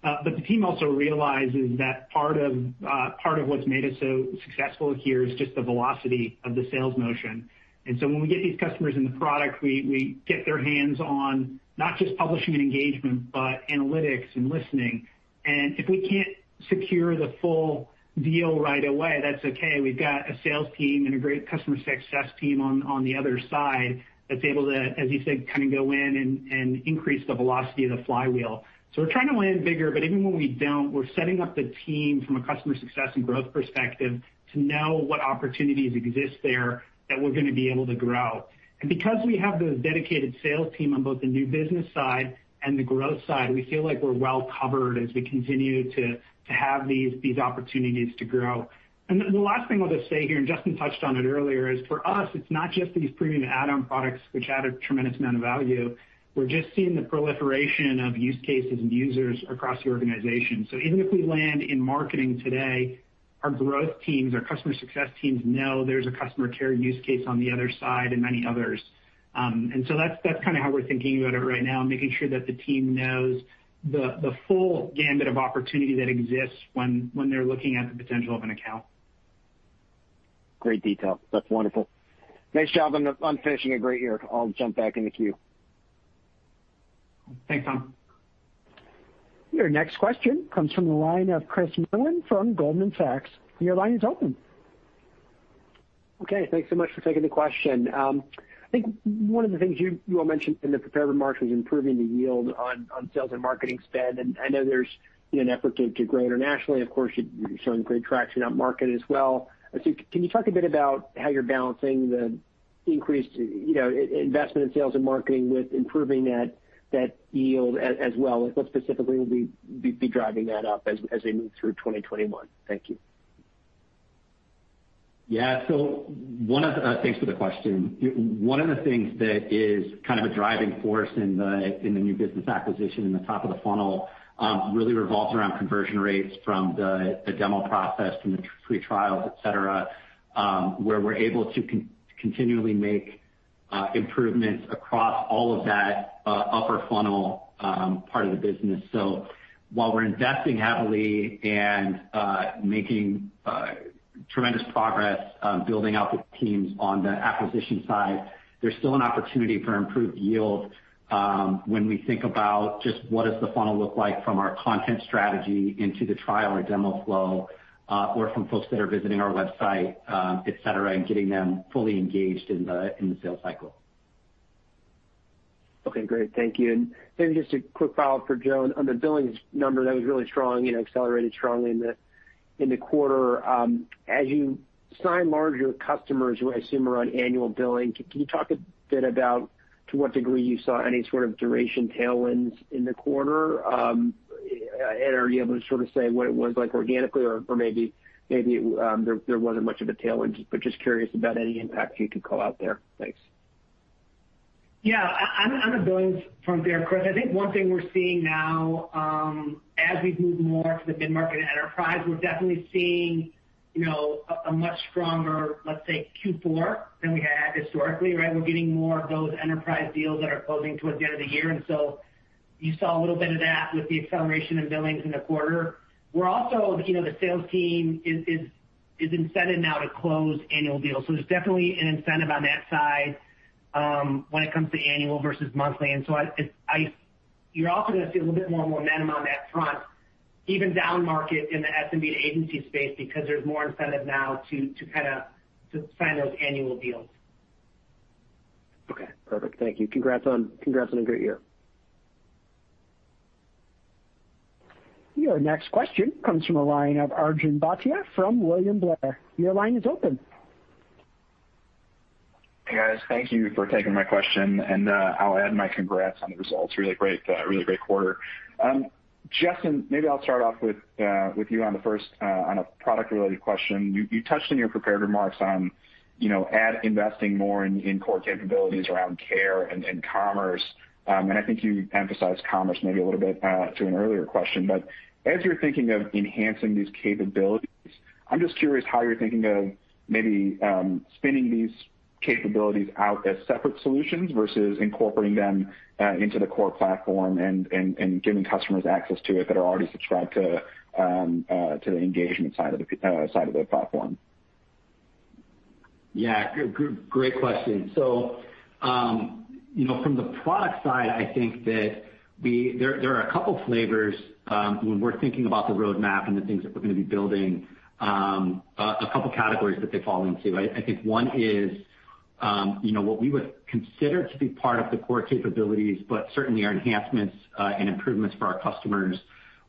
But the team also realizes that part of what's made us so successful here is just the velocity of the sales motion. And so when we get these customers in the product, we get their hands on not just publishing and engagement, but analytics and listening. And if we can't secure the full deal right away, that's okay. We've got a sales team and a great customer success team on the other side that's able to, as you said, kind of go in and increase the velocity of the flywheel. So we're trying to land bigger, but even when we don't, we're setting up the team from a customer success and growth perspective to know what opportunities exist there that we're going to be able to grow. And because we have the dedicated sales team on both the new business side and the growth side, we feel like we're well covered as we continue to have these opportunities to grow. And the last thing I'll just say here, and Justyn touched on it earlier, is for us, it's not just these premium add-on products, which add a tremendous amount of value. We're just seeing the proliferation of use cases and users across the organization. So even if we land in marketing today, our growth teams, our customer success teams know there's a customer care use case on the other side and many others. And so that's kind of how we're thinking about it right now, making sure that the team knows the full gamut of opportunity that exists when they're looking at the potential of an account. Great detail. That's wonderful. Thanks. I'm finishing a great year. I'll jump back in the queue. Thanks, Tom. Your next question comes from the line of Chris Merwin from Goldman Sachs. Your line is open. Okay, thanks so much for taking the question. I think one of the things you all mentioned in the prepared remarks was improving the yield on sales and marketing spend. And I know there's an effort to grow internationally. Of course, you're showing great traction in market as well. Can you talk a bit about how you're balancing the increased investment in sales and marketing with improving that yield as well? What specifically will be driving that up as we move through 2021? Thank you. Yeah, so thanks for the question. One of the things that is kind of a driving force in the new business acquisition in the top of the funnel really revolves around conversion rates from the demo process, from the free trials, etc., where we're able to continually make improvements across all of that upper funnel part of the business. So while we're investing heavily and making tremendous progress building out the teams on the acquisition side, there's still an opportunity for improved yield when we think about just what does the funnel look like from our content strategy into the trial or demo flow or from folks that are visiting our website, etc., and getting them fully engaged in the sales cycle. Okay, great. Thank you. And maybe just a quick follow-up for Joe. On the billing number, that was really strong, accelerated strongly in the quarter. As you sign larger customers, who I assume are on annual billing, can you talk a bit about to what degree you saw any sort of duration tailwinds in the quarter? And are you able to sort of say what it was like organically, or maybe there wasn't much of a tailwind, but just curious about any impact you could call out there. Thanks. Yeah, on the billing front there, Chris, I think one thing we're seeing now as we move more to the mid-market enterprise, we're definitely seeing a much stronger, let's say, Q4 than we had historically, right? We're getting more of those enterprise deals that are closing towards the end of the year. And so you saw a little bit of that with the acceleration in billings in the quarter. We're also, the sales team is incented now to close annual deals. So there's definitely an incentive on that side when it comes to annual versus monthly. And so you're also going to see a little bit more momentum on that front, even down market in the SMB to agency space, because there's more incentive now to kind of sign those annual deals. Okay, perfect. Thank you. Congrats on a great year. Your next question comes from the line of Arjun Bhatia from William Blair. Your line is open. Hey, guys. Thank you for taking my question, and I'll add my congrats on the results. Really great quarter. Justyn, maybe I'll start off with you on a product-related question. You touched in your prepared remarks on investing more in core capabilities around care and commerce, and I think you emphasized commerce maybe a little bit to an earlier question. But as you're thinking of enhancing these capabilities, I'm just curious how you're thinking of maybe spinning these capabilities out as separate solutions versus incorporating them into the core platform and giving customers access to it that are already subscribed to the engagement side of the platform. Yeah, great question. So from the product side, I think that there are a couple of flavors when we're thinking about the roadmap and the things that we're going to be building, a couple of categories that they fall into. I think one is what we would consider to be part of the core capabilities, but certainly our enhancements and improvements for our customers,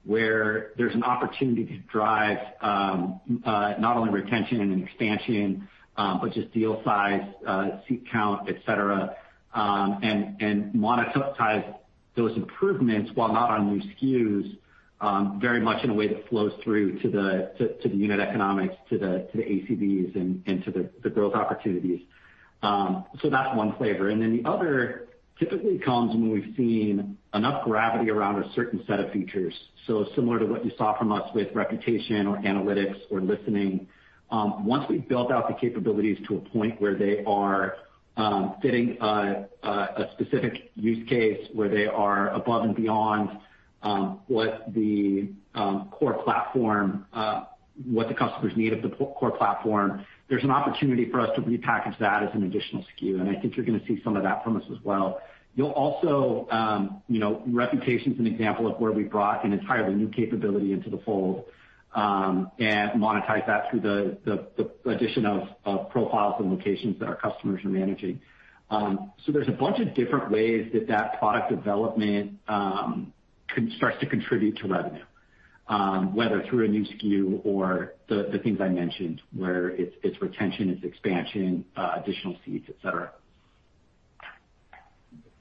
where there's an opportunity to drive not only retention and expansion, but just deal size, seat count, etc., and monetize those improvements while not on new SKUs very much in a way that flows through to the unit economics, to the ACV, and to the growth opportunities. So that's one flavor. And then the other typically comes when we've seen enough gravity around a certain set of features. So similar to what you saw from us with Reputation or Analytics or Listening, once we've built out the capabilities to a point where they are fitting a specific use case, where they are above and beyond what the core platform, what the customers need of the core platform, there's an opportunity for us to repackage that as an additional SKU, and I think you're going to see some of that from us as well. You'll also, reputation is an example of where we brought an entirely new capability into the fold and monetize that through the addition of profiles and locations that our customers are managing, so there's a bunch of different ways that that product development starts to contribute to revenue, whether through a new SKU or the things I mentioned, where it's retention, it's expansion, additional seats, etc.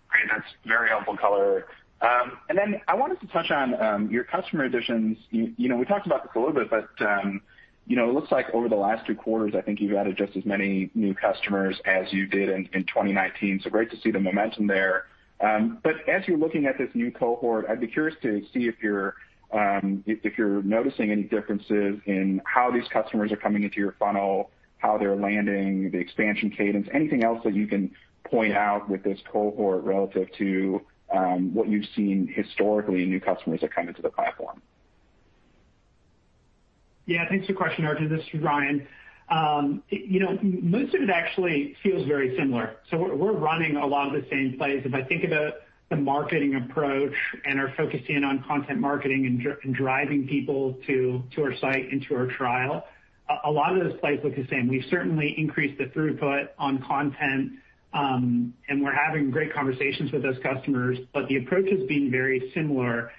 Great. That's very helpful color. And then I wanted to touch on your customer additions. We talked about this a little bit, but it looks like over the last two quarters, I think you've added just as many new customers as you did in 2019. So great to see the momentum there. But as you're looking at this new cohort, I'd be curious to see if you're noticing any differences in how these customers are coming into your funnel, how they're landing, the expansion cadence, anything else that you can point out with this cohort relative to what you've seen historically in new customers that come into the platform? Yeah, thanks for the question, Arjun. This is Ryan. Most of it actually feels very similar. So we're running a lot of the same plays. If I think about the marketing approach and we're focusing on content marketing and driving people to our site and to our trial, a lot of those plays look the same. We've certainly increased the throughput on content, and we're having great conversations with those customers. But the approach has been very similar.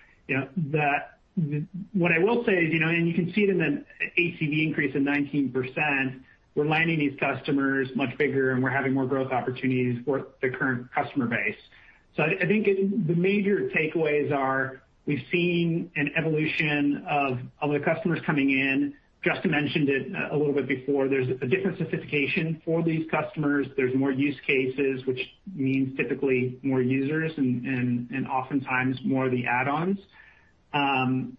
What I will say is, and you can see it in the ACV increase of 19%, we're landing these customers much bigger, and we're having more growth opportunities for the current customer base. So I think the major takeaways are we've seen an evolution of the customers coming in. Justyn mentioned it a little bit before. There's a different sophistication for these customers. There's more use cases, which means typically more users and oftentimes more of the add-ons, and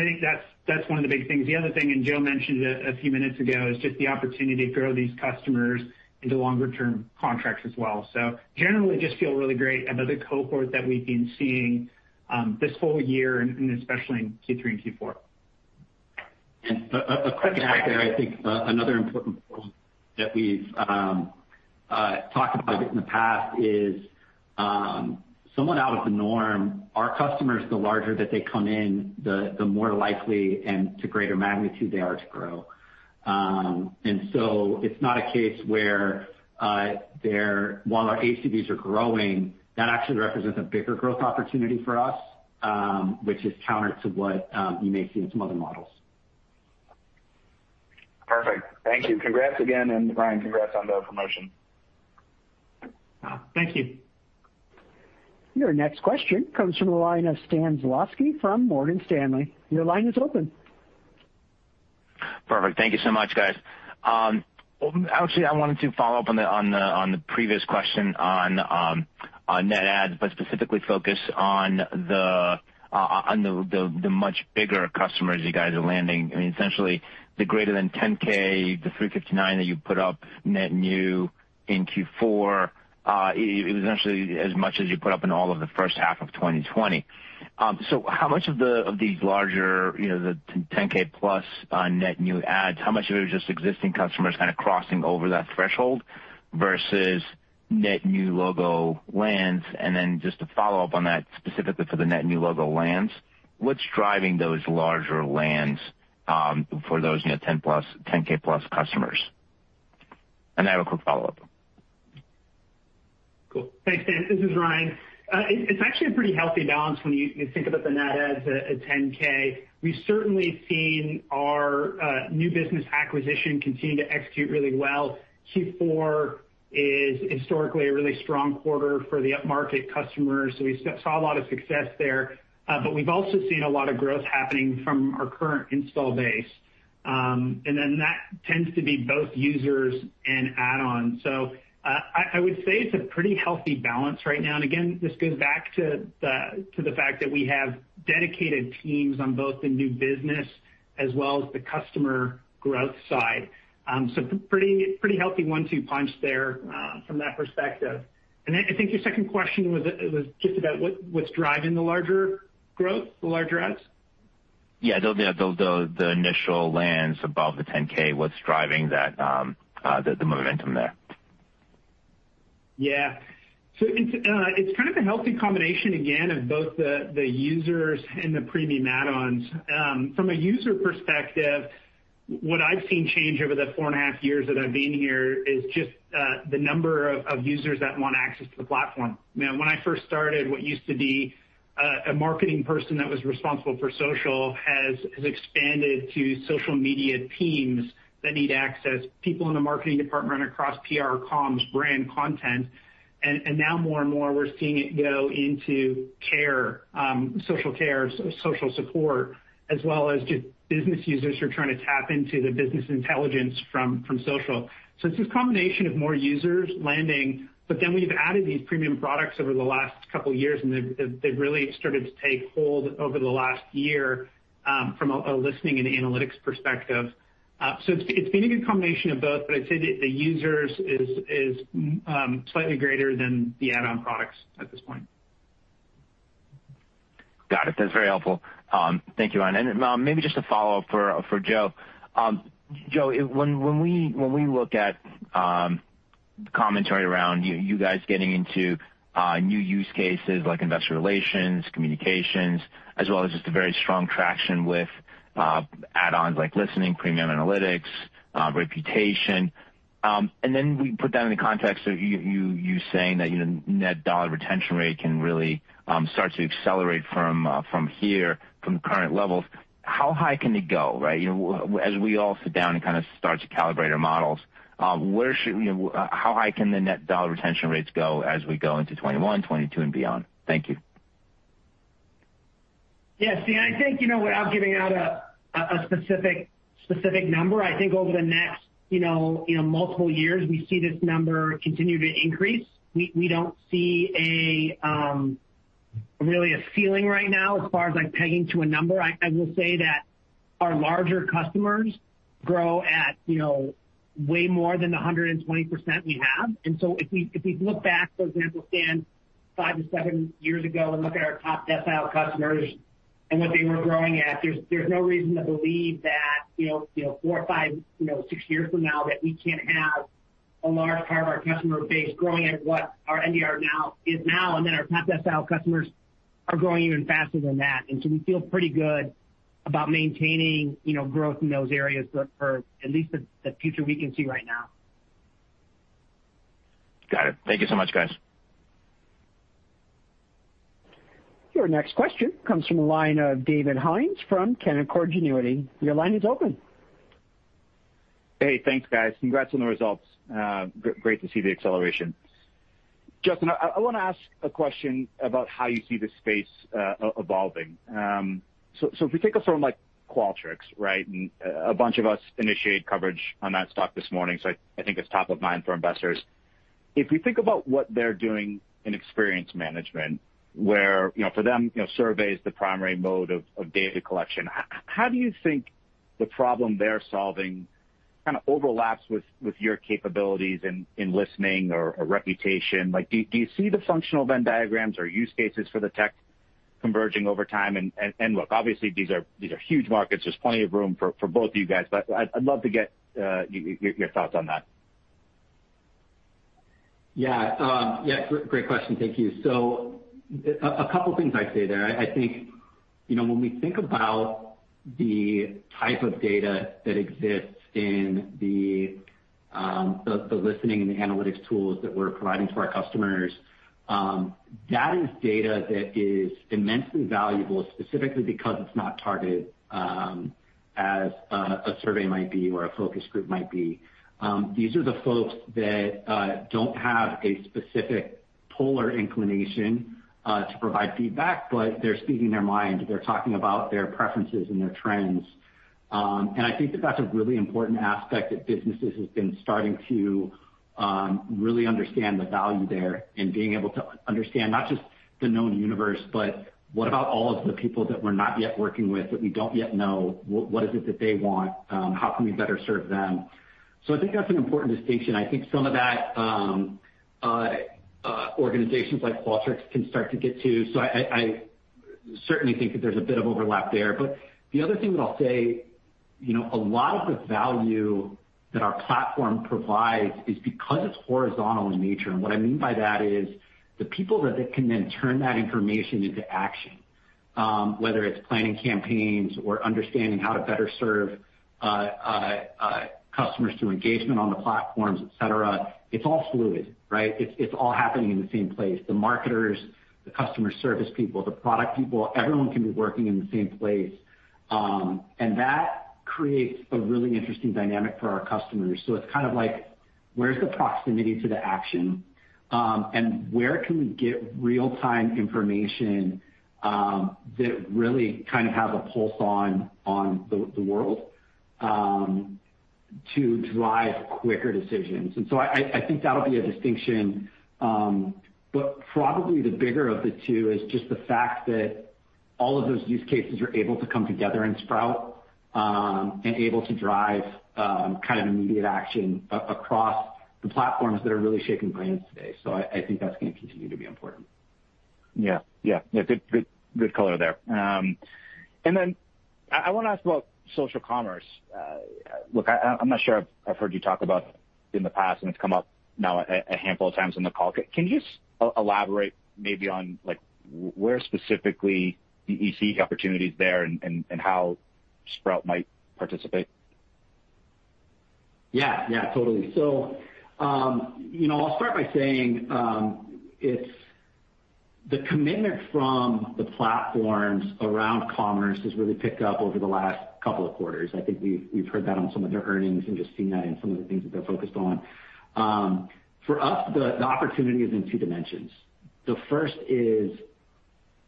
I think that's one of the big things. The other thing, and Joe mentioned it a few minutes ago, is just the opportunity to grow these customers into longer-term contracts as well, so generally, I just feel really great about the cohort that we've been seeing this whole year, and especially in Q3 and Q4. A quick add there. I think another important point that we've talked about in the past is somewhat out of the norm, our customers, the larger that they come in, the more likely and to greater magnitude they are to grow. And so it's not a case where while our ACVs are growing, that actually represents a bigger growth opportunity for us, which is counter to what you may see in some other models. Perfect. Thank you. Congrats again. And Ryan, congrats on the promotion. Thank you. Your next question comes from the line of Stan Zlotsky from Morgan Stanley. Your line is open. Perfect. Thank you so much, guys. Actually, I wanted to follow up on the previous question on net adds, but specifically focus on the much bigger customers you guys are landing. I mean, essentially, the greater than 10,000, the 359 that you put up net new in Q4, it was essentially as much as you put up in all of the first half of 2020. So how much of these larger, the 10,000+ net new adds, how much of it is just existing customers kind of crossing over that threshold versus net new logo lands? And then just to follow up on that, specifically for the net new logo lands, what's driving those larger lands for those 10,000+ customers? And I have a quick follow-up. Cool. Thanks, Stan. This is Ryan. It's actually a pretty healthy balance when you think about the net adds at 10,000. We've certainly seen our new business acquisition continue to execute really well. Q4 is historically a really strong quarter for the upmarket customers. So we saw a lot of success there. But we've also seen a lot of growth happening from our current install base. And then that tends to be both users and add-ons. So I would say it's a pretty healthy balance right now. And again, this goes back to the fact that we have dedicated teams on both the new business as well as the customer growth side. So pretty healthy one-two punch there from that perspective. And I think your second question was just about what's driving the larger growth, the larger adds? Yeah, the initial lands above the 10,000, what's driving the momentum there? Yeah, so it's kind of a healthy combination, again, of both the users and the premium add-ons. From a user perspective, what I've seen change over the four and a half years that I've been here is just the number of users that want access to the platform. When I first started, what used to be a marketing person that was responsible for social has expanded to social media teams that need access, people in the marketing department run across PR, comms, brand content, and now more and more, we're seeing it go into care, social care, social support, as well as just business users who are trying to tap into the business intelligence from social, so it's this combination of more users landing. But then we've added these premium products over the last couple of years, and they've really started to take hold over the last year from a listening and analytics perspective, so it's been a good combination of both, but I'd say the users is slightly greater than the add-on products at this point. Got it. That's very helpful. Thank you, Ryan. And maybe just a follow-up for Joe. Joe, when we look at commentary around you guys getting into new use cases like investor relations, communications, as well as just a very strong traction with add-ons like Listening, Premium Analytics, Reputation. And then we put that in the context of you saying that net dollar retention rate can really start to accelerate from here, from the current levels. How high can it go, right? As we all sit down and kind of start to calibrate our models, how high can the net dollar retention rates go as we go into 2021, 2022, and beyond? Thank you. Yes. See, I think without giving out a specific number, I think over the next multiple years, we see this number continue to increase. We don't see really a ceiling right now as far as pegging to a number. I will say that our larger customers grow at way more than the 120% we have. And so if we look back, for example, Stan five to seven years ago and look at our top decile customers and what they were growing at, there's no reason to believe that four, five, six years from now that we can't have a large part of our customer base growing at what our NDR now is, and then our top decile customers are growing even faster than that. And so we feel pretty good about maintaining growth in those areas for at least the future we can see right now. Got it. Thank you so much, guys. Your next question comes from the line of David Hynes from Canaccord Genuity. Your line is open. Hey, thanks, guys. Congrats on the results. Great to see the acceleration. Justyn, I want to ask a question about how you see this space evolving. So if we take a firm like Qualtrics, right, and a bunch of us initiated coverage on that stock this morning, so I think it's top of mind for investors. If we think about what they're doing in experience management, where for them, survey is the primary mode of data collection, how do you think the problem they're solving kind of overlaps with your capabilities in listening or reputation? Do you see the functional Venn diagrams or use cases for the tech converging over time? And look, obviously, these are huge markets. There's plenty of room for both of you guys. But I'd love to get your thoughts on that. Yeah. Yeah, great question. Thank you, so a couple of things I'd say there. I think when we think about the type of data that exists in the listening and the analytics tools that we're providing to our customers, that is data that is immensely valuable, specifically because it's not targeted as a survey might be or a focus group might be. These are the folks that don't have a specific polar inclination to provide feedback, but they're speaking their mind. They're talking about their preferences and their trends, and I think that that's a really important aspect that businesses have been starting to really understand the value there and being able to understand not just the known universe, but what about all of the people that we're not yet working with that we don't yet know? What is it that they want? How can we better serve them? So I think that's an important distinction. I think some of that organizations like Qualtrics can start to get to. So I certainly think that there's a bit of overlap there. But the other thing that I'll say, a lot of the value that our platform provides is because it's horizontal in nature. And what I mean by that is the people that can then turn that information into action, whether it's planning campaigns or understanding how to better serve customers through engagement on the platforms, etc., it's all fluid, right? It's all happening in the same place. The marketers, the customer service people, the product people, everyone can be working in the same place. And that creates a really interesting dynamic for our customers. So it's kind of like, where's the proximity to the action? And where can we get real-time information that really kind of has a pulse on the world to drive quicker decisions? And so I think that'll be a distinction. But probably the bigger of the two is just the fact that all of those use cases are able to come together in Sprout and able to drive kind of immediate action across the platforms that are really shaping brands today. So I think that's going to continue to be important. Yeah. Good color there. And then I want to ask about social commerce. Look, I'm not sure I've heard you talk about in the past, and it's come up now a handful of times in the call. Can you just elaborate maybe on where specifically do you see opportunities there and how Sprout might participate? Yeah. Yeah, totally. So I'll start by saying the commitment from the platforms around commerce has really picked up over the last couple of quarters. I think we've heard that on some of their earnings and just seen that in some of the things that they're focused on. For us, the opportunity is in two dimensions. The first is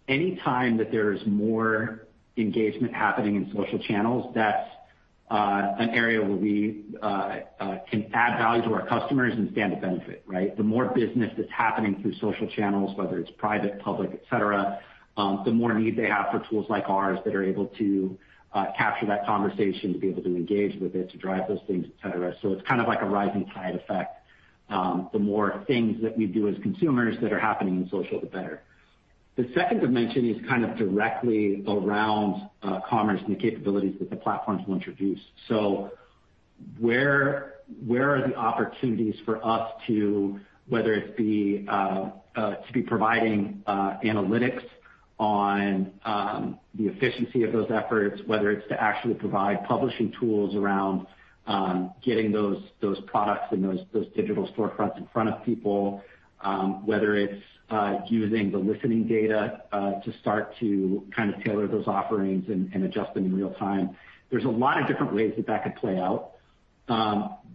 any time that there is more engagement happening in social channels, that's an area where we can add value to our customers and stand to benefit, right? The more business that's happening through social channels, whether it's private, public, etc., the more need they have for tools like ours that are able to capture that conversation, to be able to engage with it, to drive those things, etc. So it's kind of like a rising tide effect. The more things that we do as consumers that are happening in social, the better. The second dimension is kind of directly around commerce and the capabilities that the platforms will introduce. So where are the opportunities for us to, whether it's to be providing analytics on the efficiency of those efforts, whether it's to actually provide publishing tools around getting those products and those digital storefronts in front of people, whether it's using the listening data to start to kind of tailor those offerings and adjust them in real time. There's a lot of different ways that that could play out.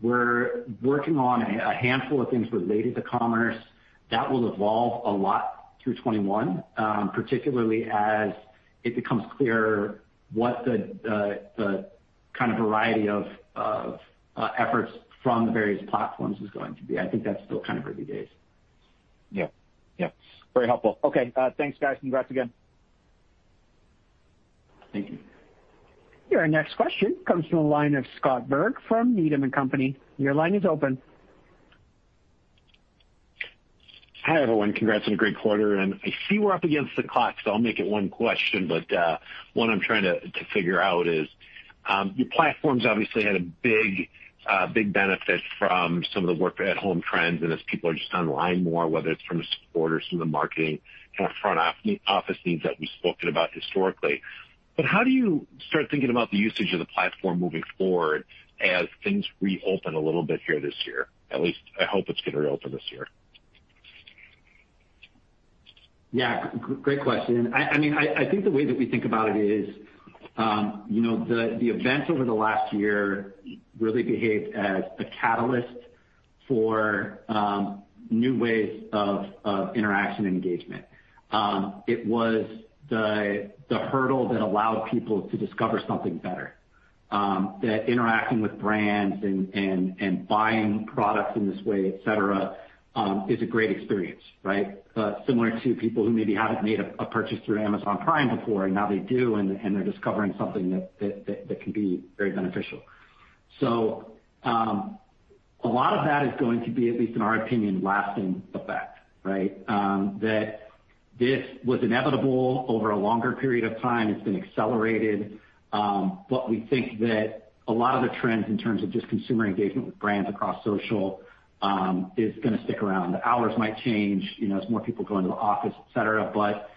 We're working on a handful of things related to commerce. That will evolve a lot through 2021, particularly as it becomes clearer what the kind of variety of efforts from the various platforms is going to be. I think that's still kind of early days. Yeah. Yeah. Very helpful. Okay. Thanks, guys. Congrats again. Thank you. Your next question comes from the line of Scott Berg from Needham & Company. Your line is open. Hi everyone. Congrats on a great quarter. And I see we're up against the clock, so I'll make it one question. But one I'm trying to figure out is your platforms obviously had a big benefit from some of the work at home trends and as people are just online more, whether it's from the support or some of the marketing kind of front office needs that we've spoken about historically. But how do you start thinking about the usage of the platform moving forward as things reopen a little bit here this year? At least I hope it's going to reopen this year. Yeah. Great question. I mean, I think the way that we think about it is the events over the last year really behaved as a catalyst for new ways of interaction and engagement. It was the hurdle that allowed people to discover something better. That interacting with brands and buying products in this way, etc., is a great experience, right? Similar to people who maybe haven't made a purchase through Amazon Prime before, and now they do, and they're discovering something that can be very beneficial. So a lot of that is going to be, at least in our opinion, lasting effect, right? That this was inevitable over a longer period of time. It's been accelerated. But we think that a lot of the trends in terms of just consumer engagement with brands across social is going to stick around. The hours might change as more people go into the office, etc. But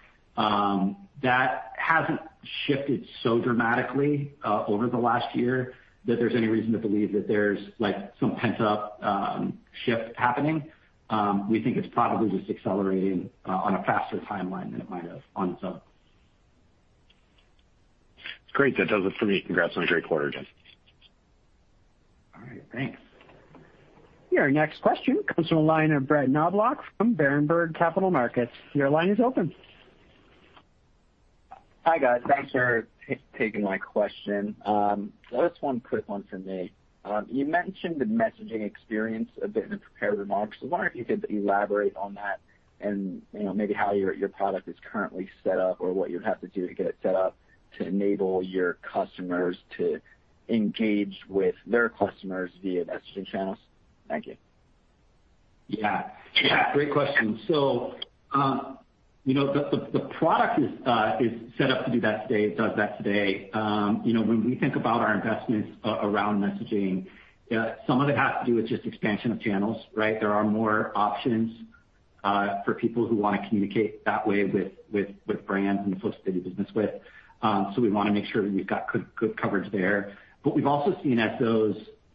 that hasn't shifted so dramatically over the last year that there's any reason to believe that there's some pent-up shift happening. We think it's probably just accelerating on a faster timeline than it might have on its own. Great. That does it for me. Congrats on a great quarter, guys. All right. Thanks. Your next question comes from the line of Brett Knoblauch from Berenberg Capital Markets. Your line is open. Hi guys. Thanks for taking my question. Just one quick one from me. You mentioned the messaging experience a bit in the prepared remarks. So why don't you elaborate on that and maybe how your product is currently set up or what you'd have to do to get it set up to enable your customers to engage with their customers via messaging channels? Thank you. Yeah. Yeah. Great question. So the product is set up to do that today. It does that today. When we think about our investments around messaging, some of it has to do with just expansion of channels, right? There are more options for people who want to communicate that way with brands and the folks that do business with. So we want to make sure that we've got good coverage there. But we've also seen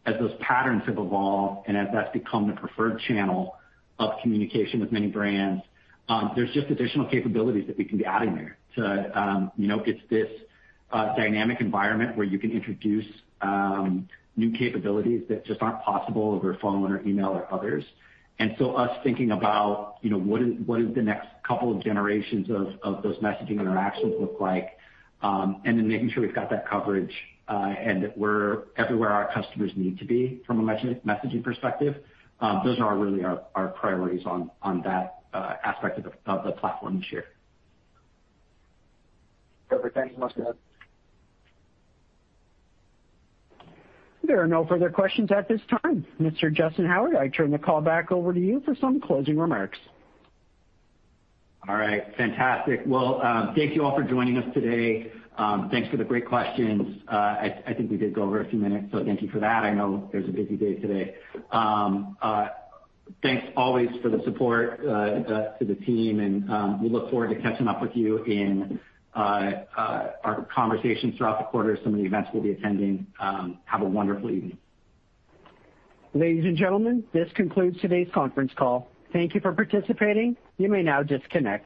as those patterns have evolved and as that's become the preferred channel of communication with many brands, there's just additional capabilities that we can be adding there too. It's this dynamic environment where you can introduce new capabilities that just aren't possible over phone or email or others. And so, us thinking about what does the next couple of generations of those messaging interactions look like and then making sure we've got that coverage and that we're everywhere our customers need to be from a messaging perspective. Those are really our priorities on that aspect of the platform this year. Perfect. Thank you so much, guys. There are no further questions at this time. Mr. Justyn Howard, I turn the call back over to you for some closing remarks. All right. Fantastic. Well, thank you all for joining us today. Thanks for the great questions. I think we did go over a few minutes, so thank you for that. I know there's a busy day today. Thanks always for the support to the team, and we look forward to catching up with you in our conversations throughout the quarter, some of the events we'll be attending. Have a wonderful evening. Ladies and gentlemen, this concludes today's conference call. Thank you for participating. You may now disconnect.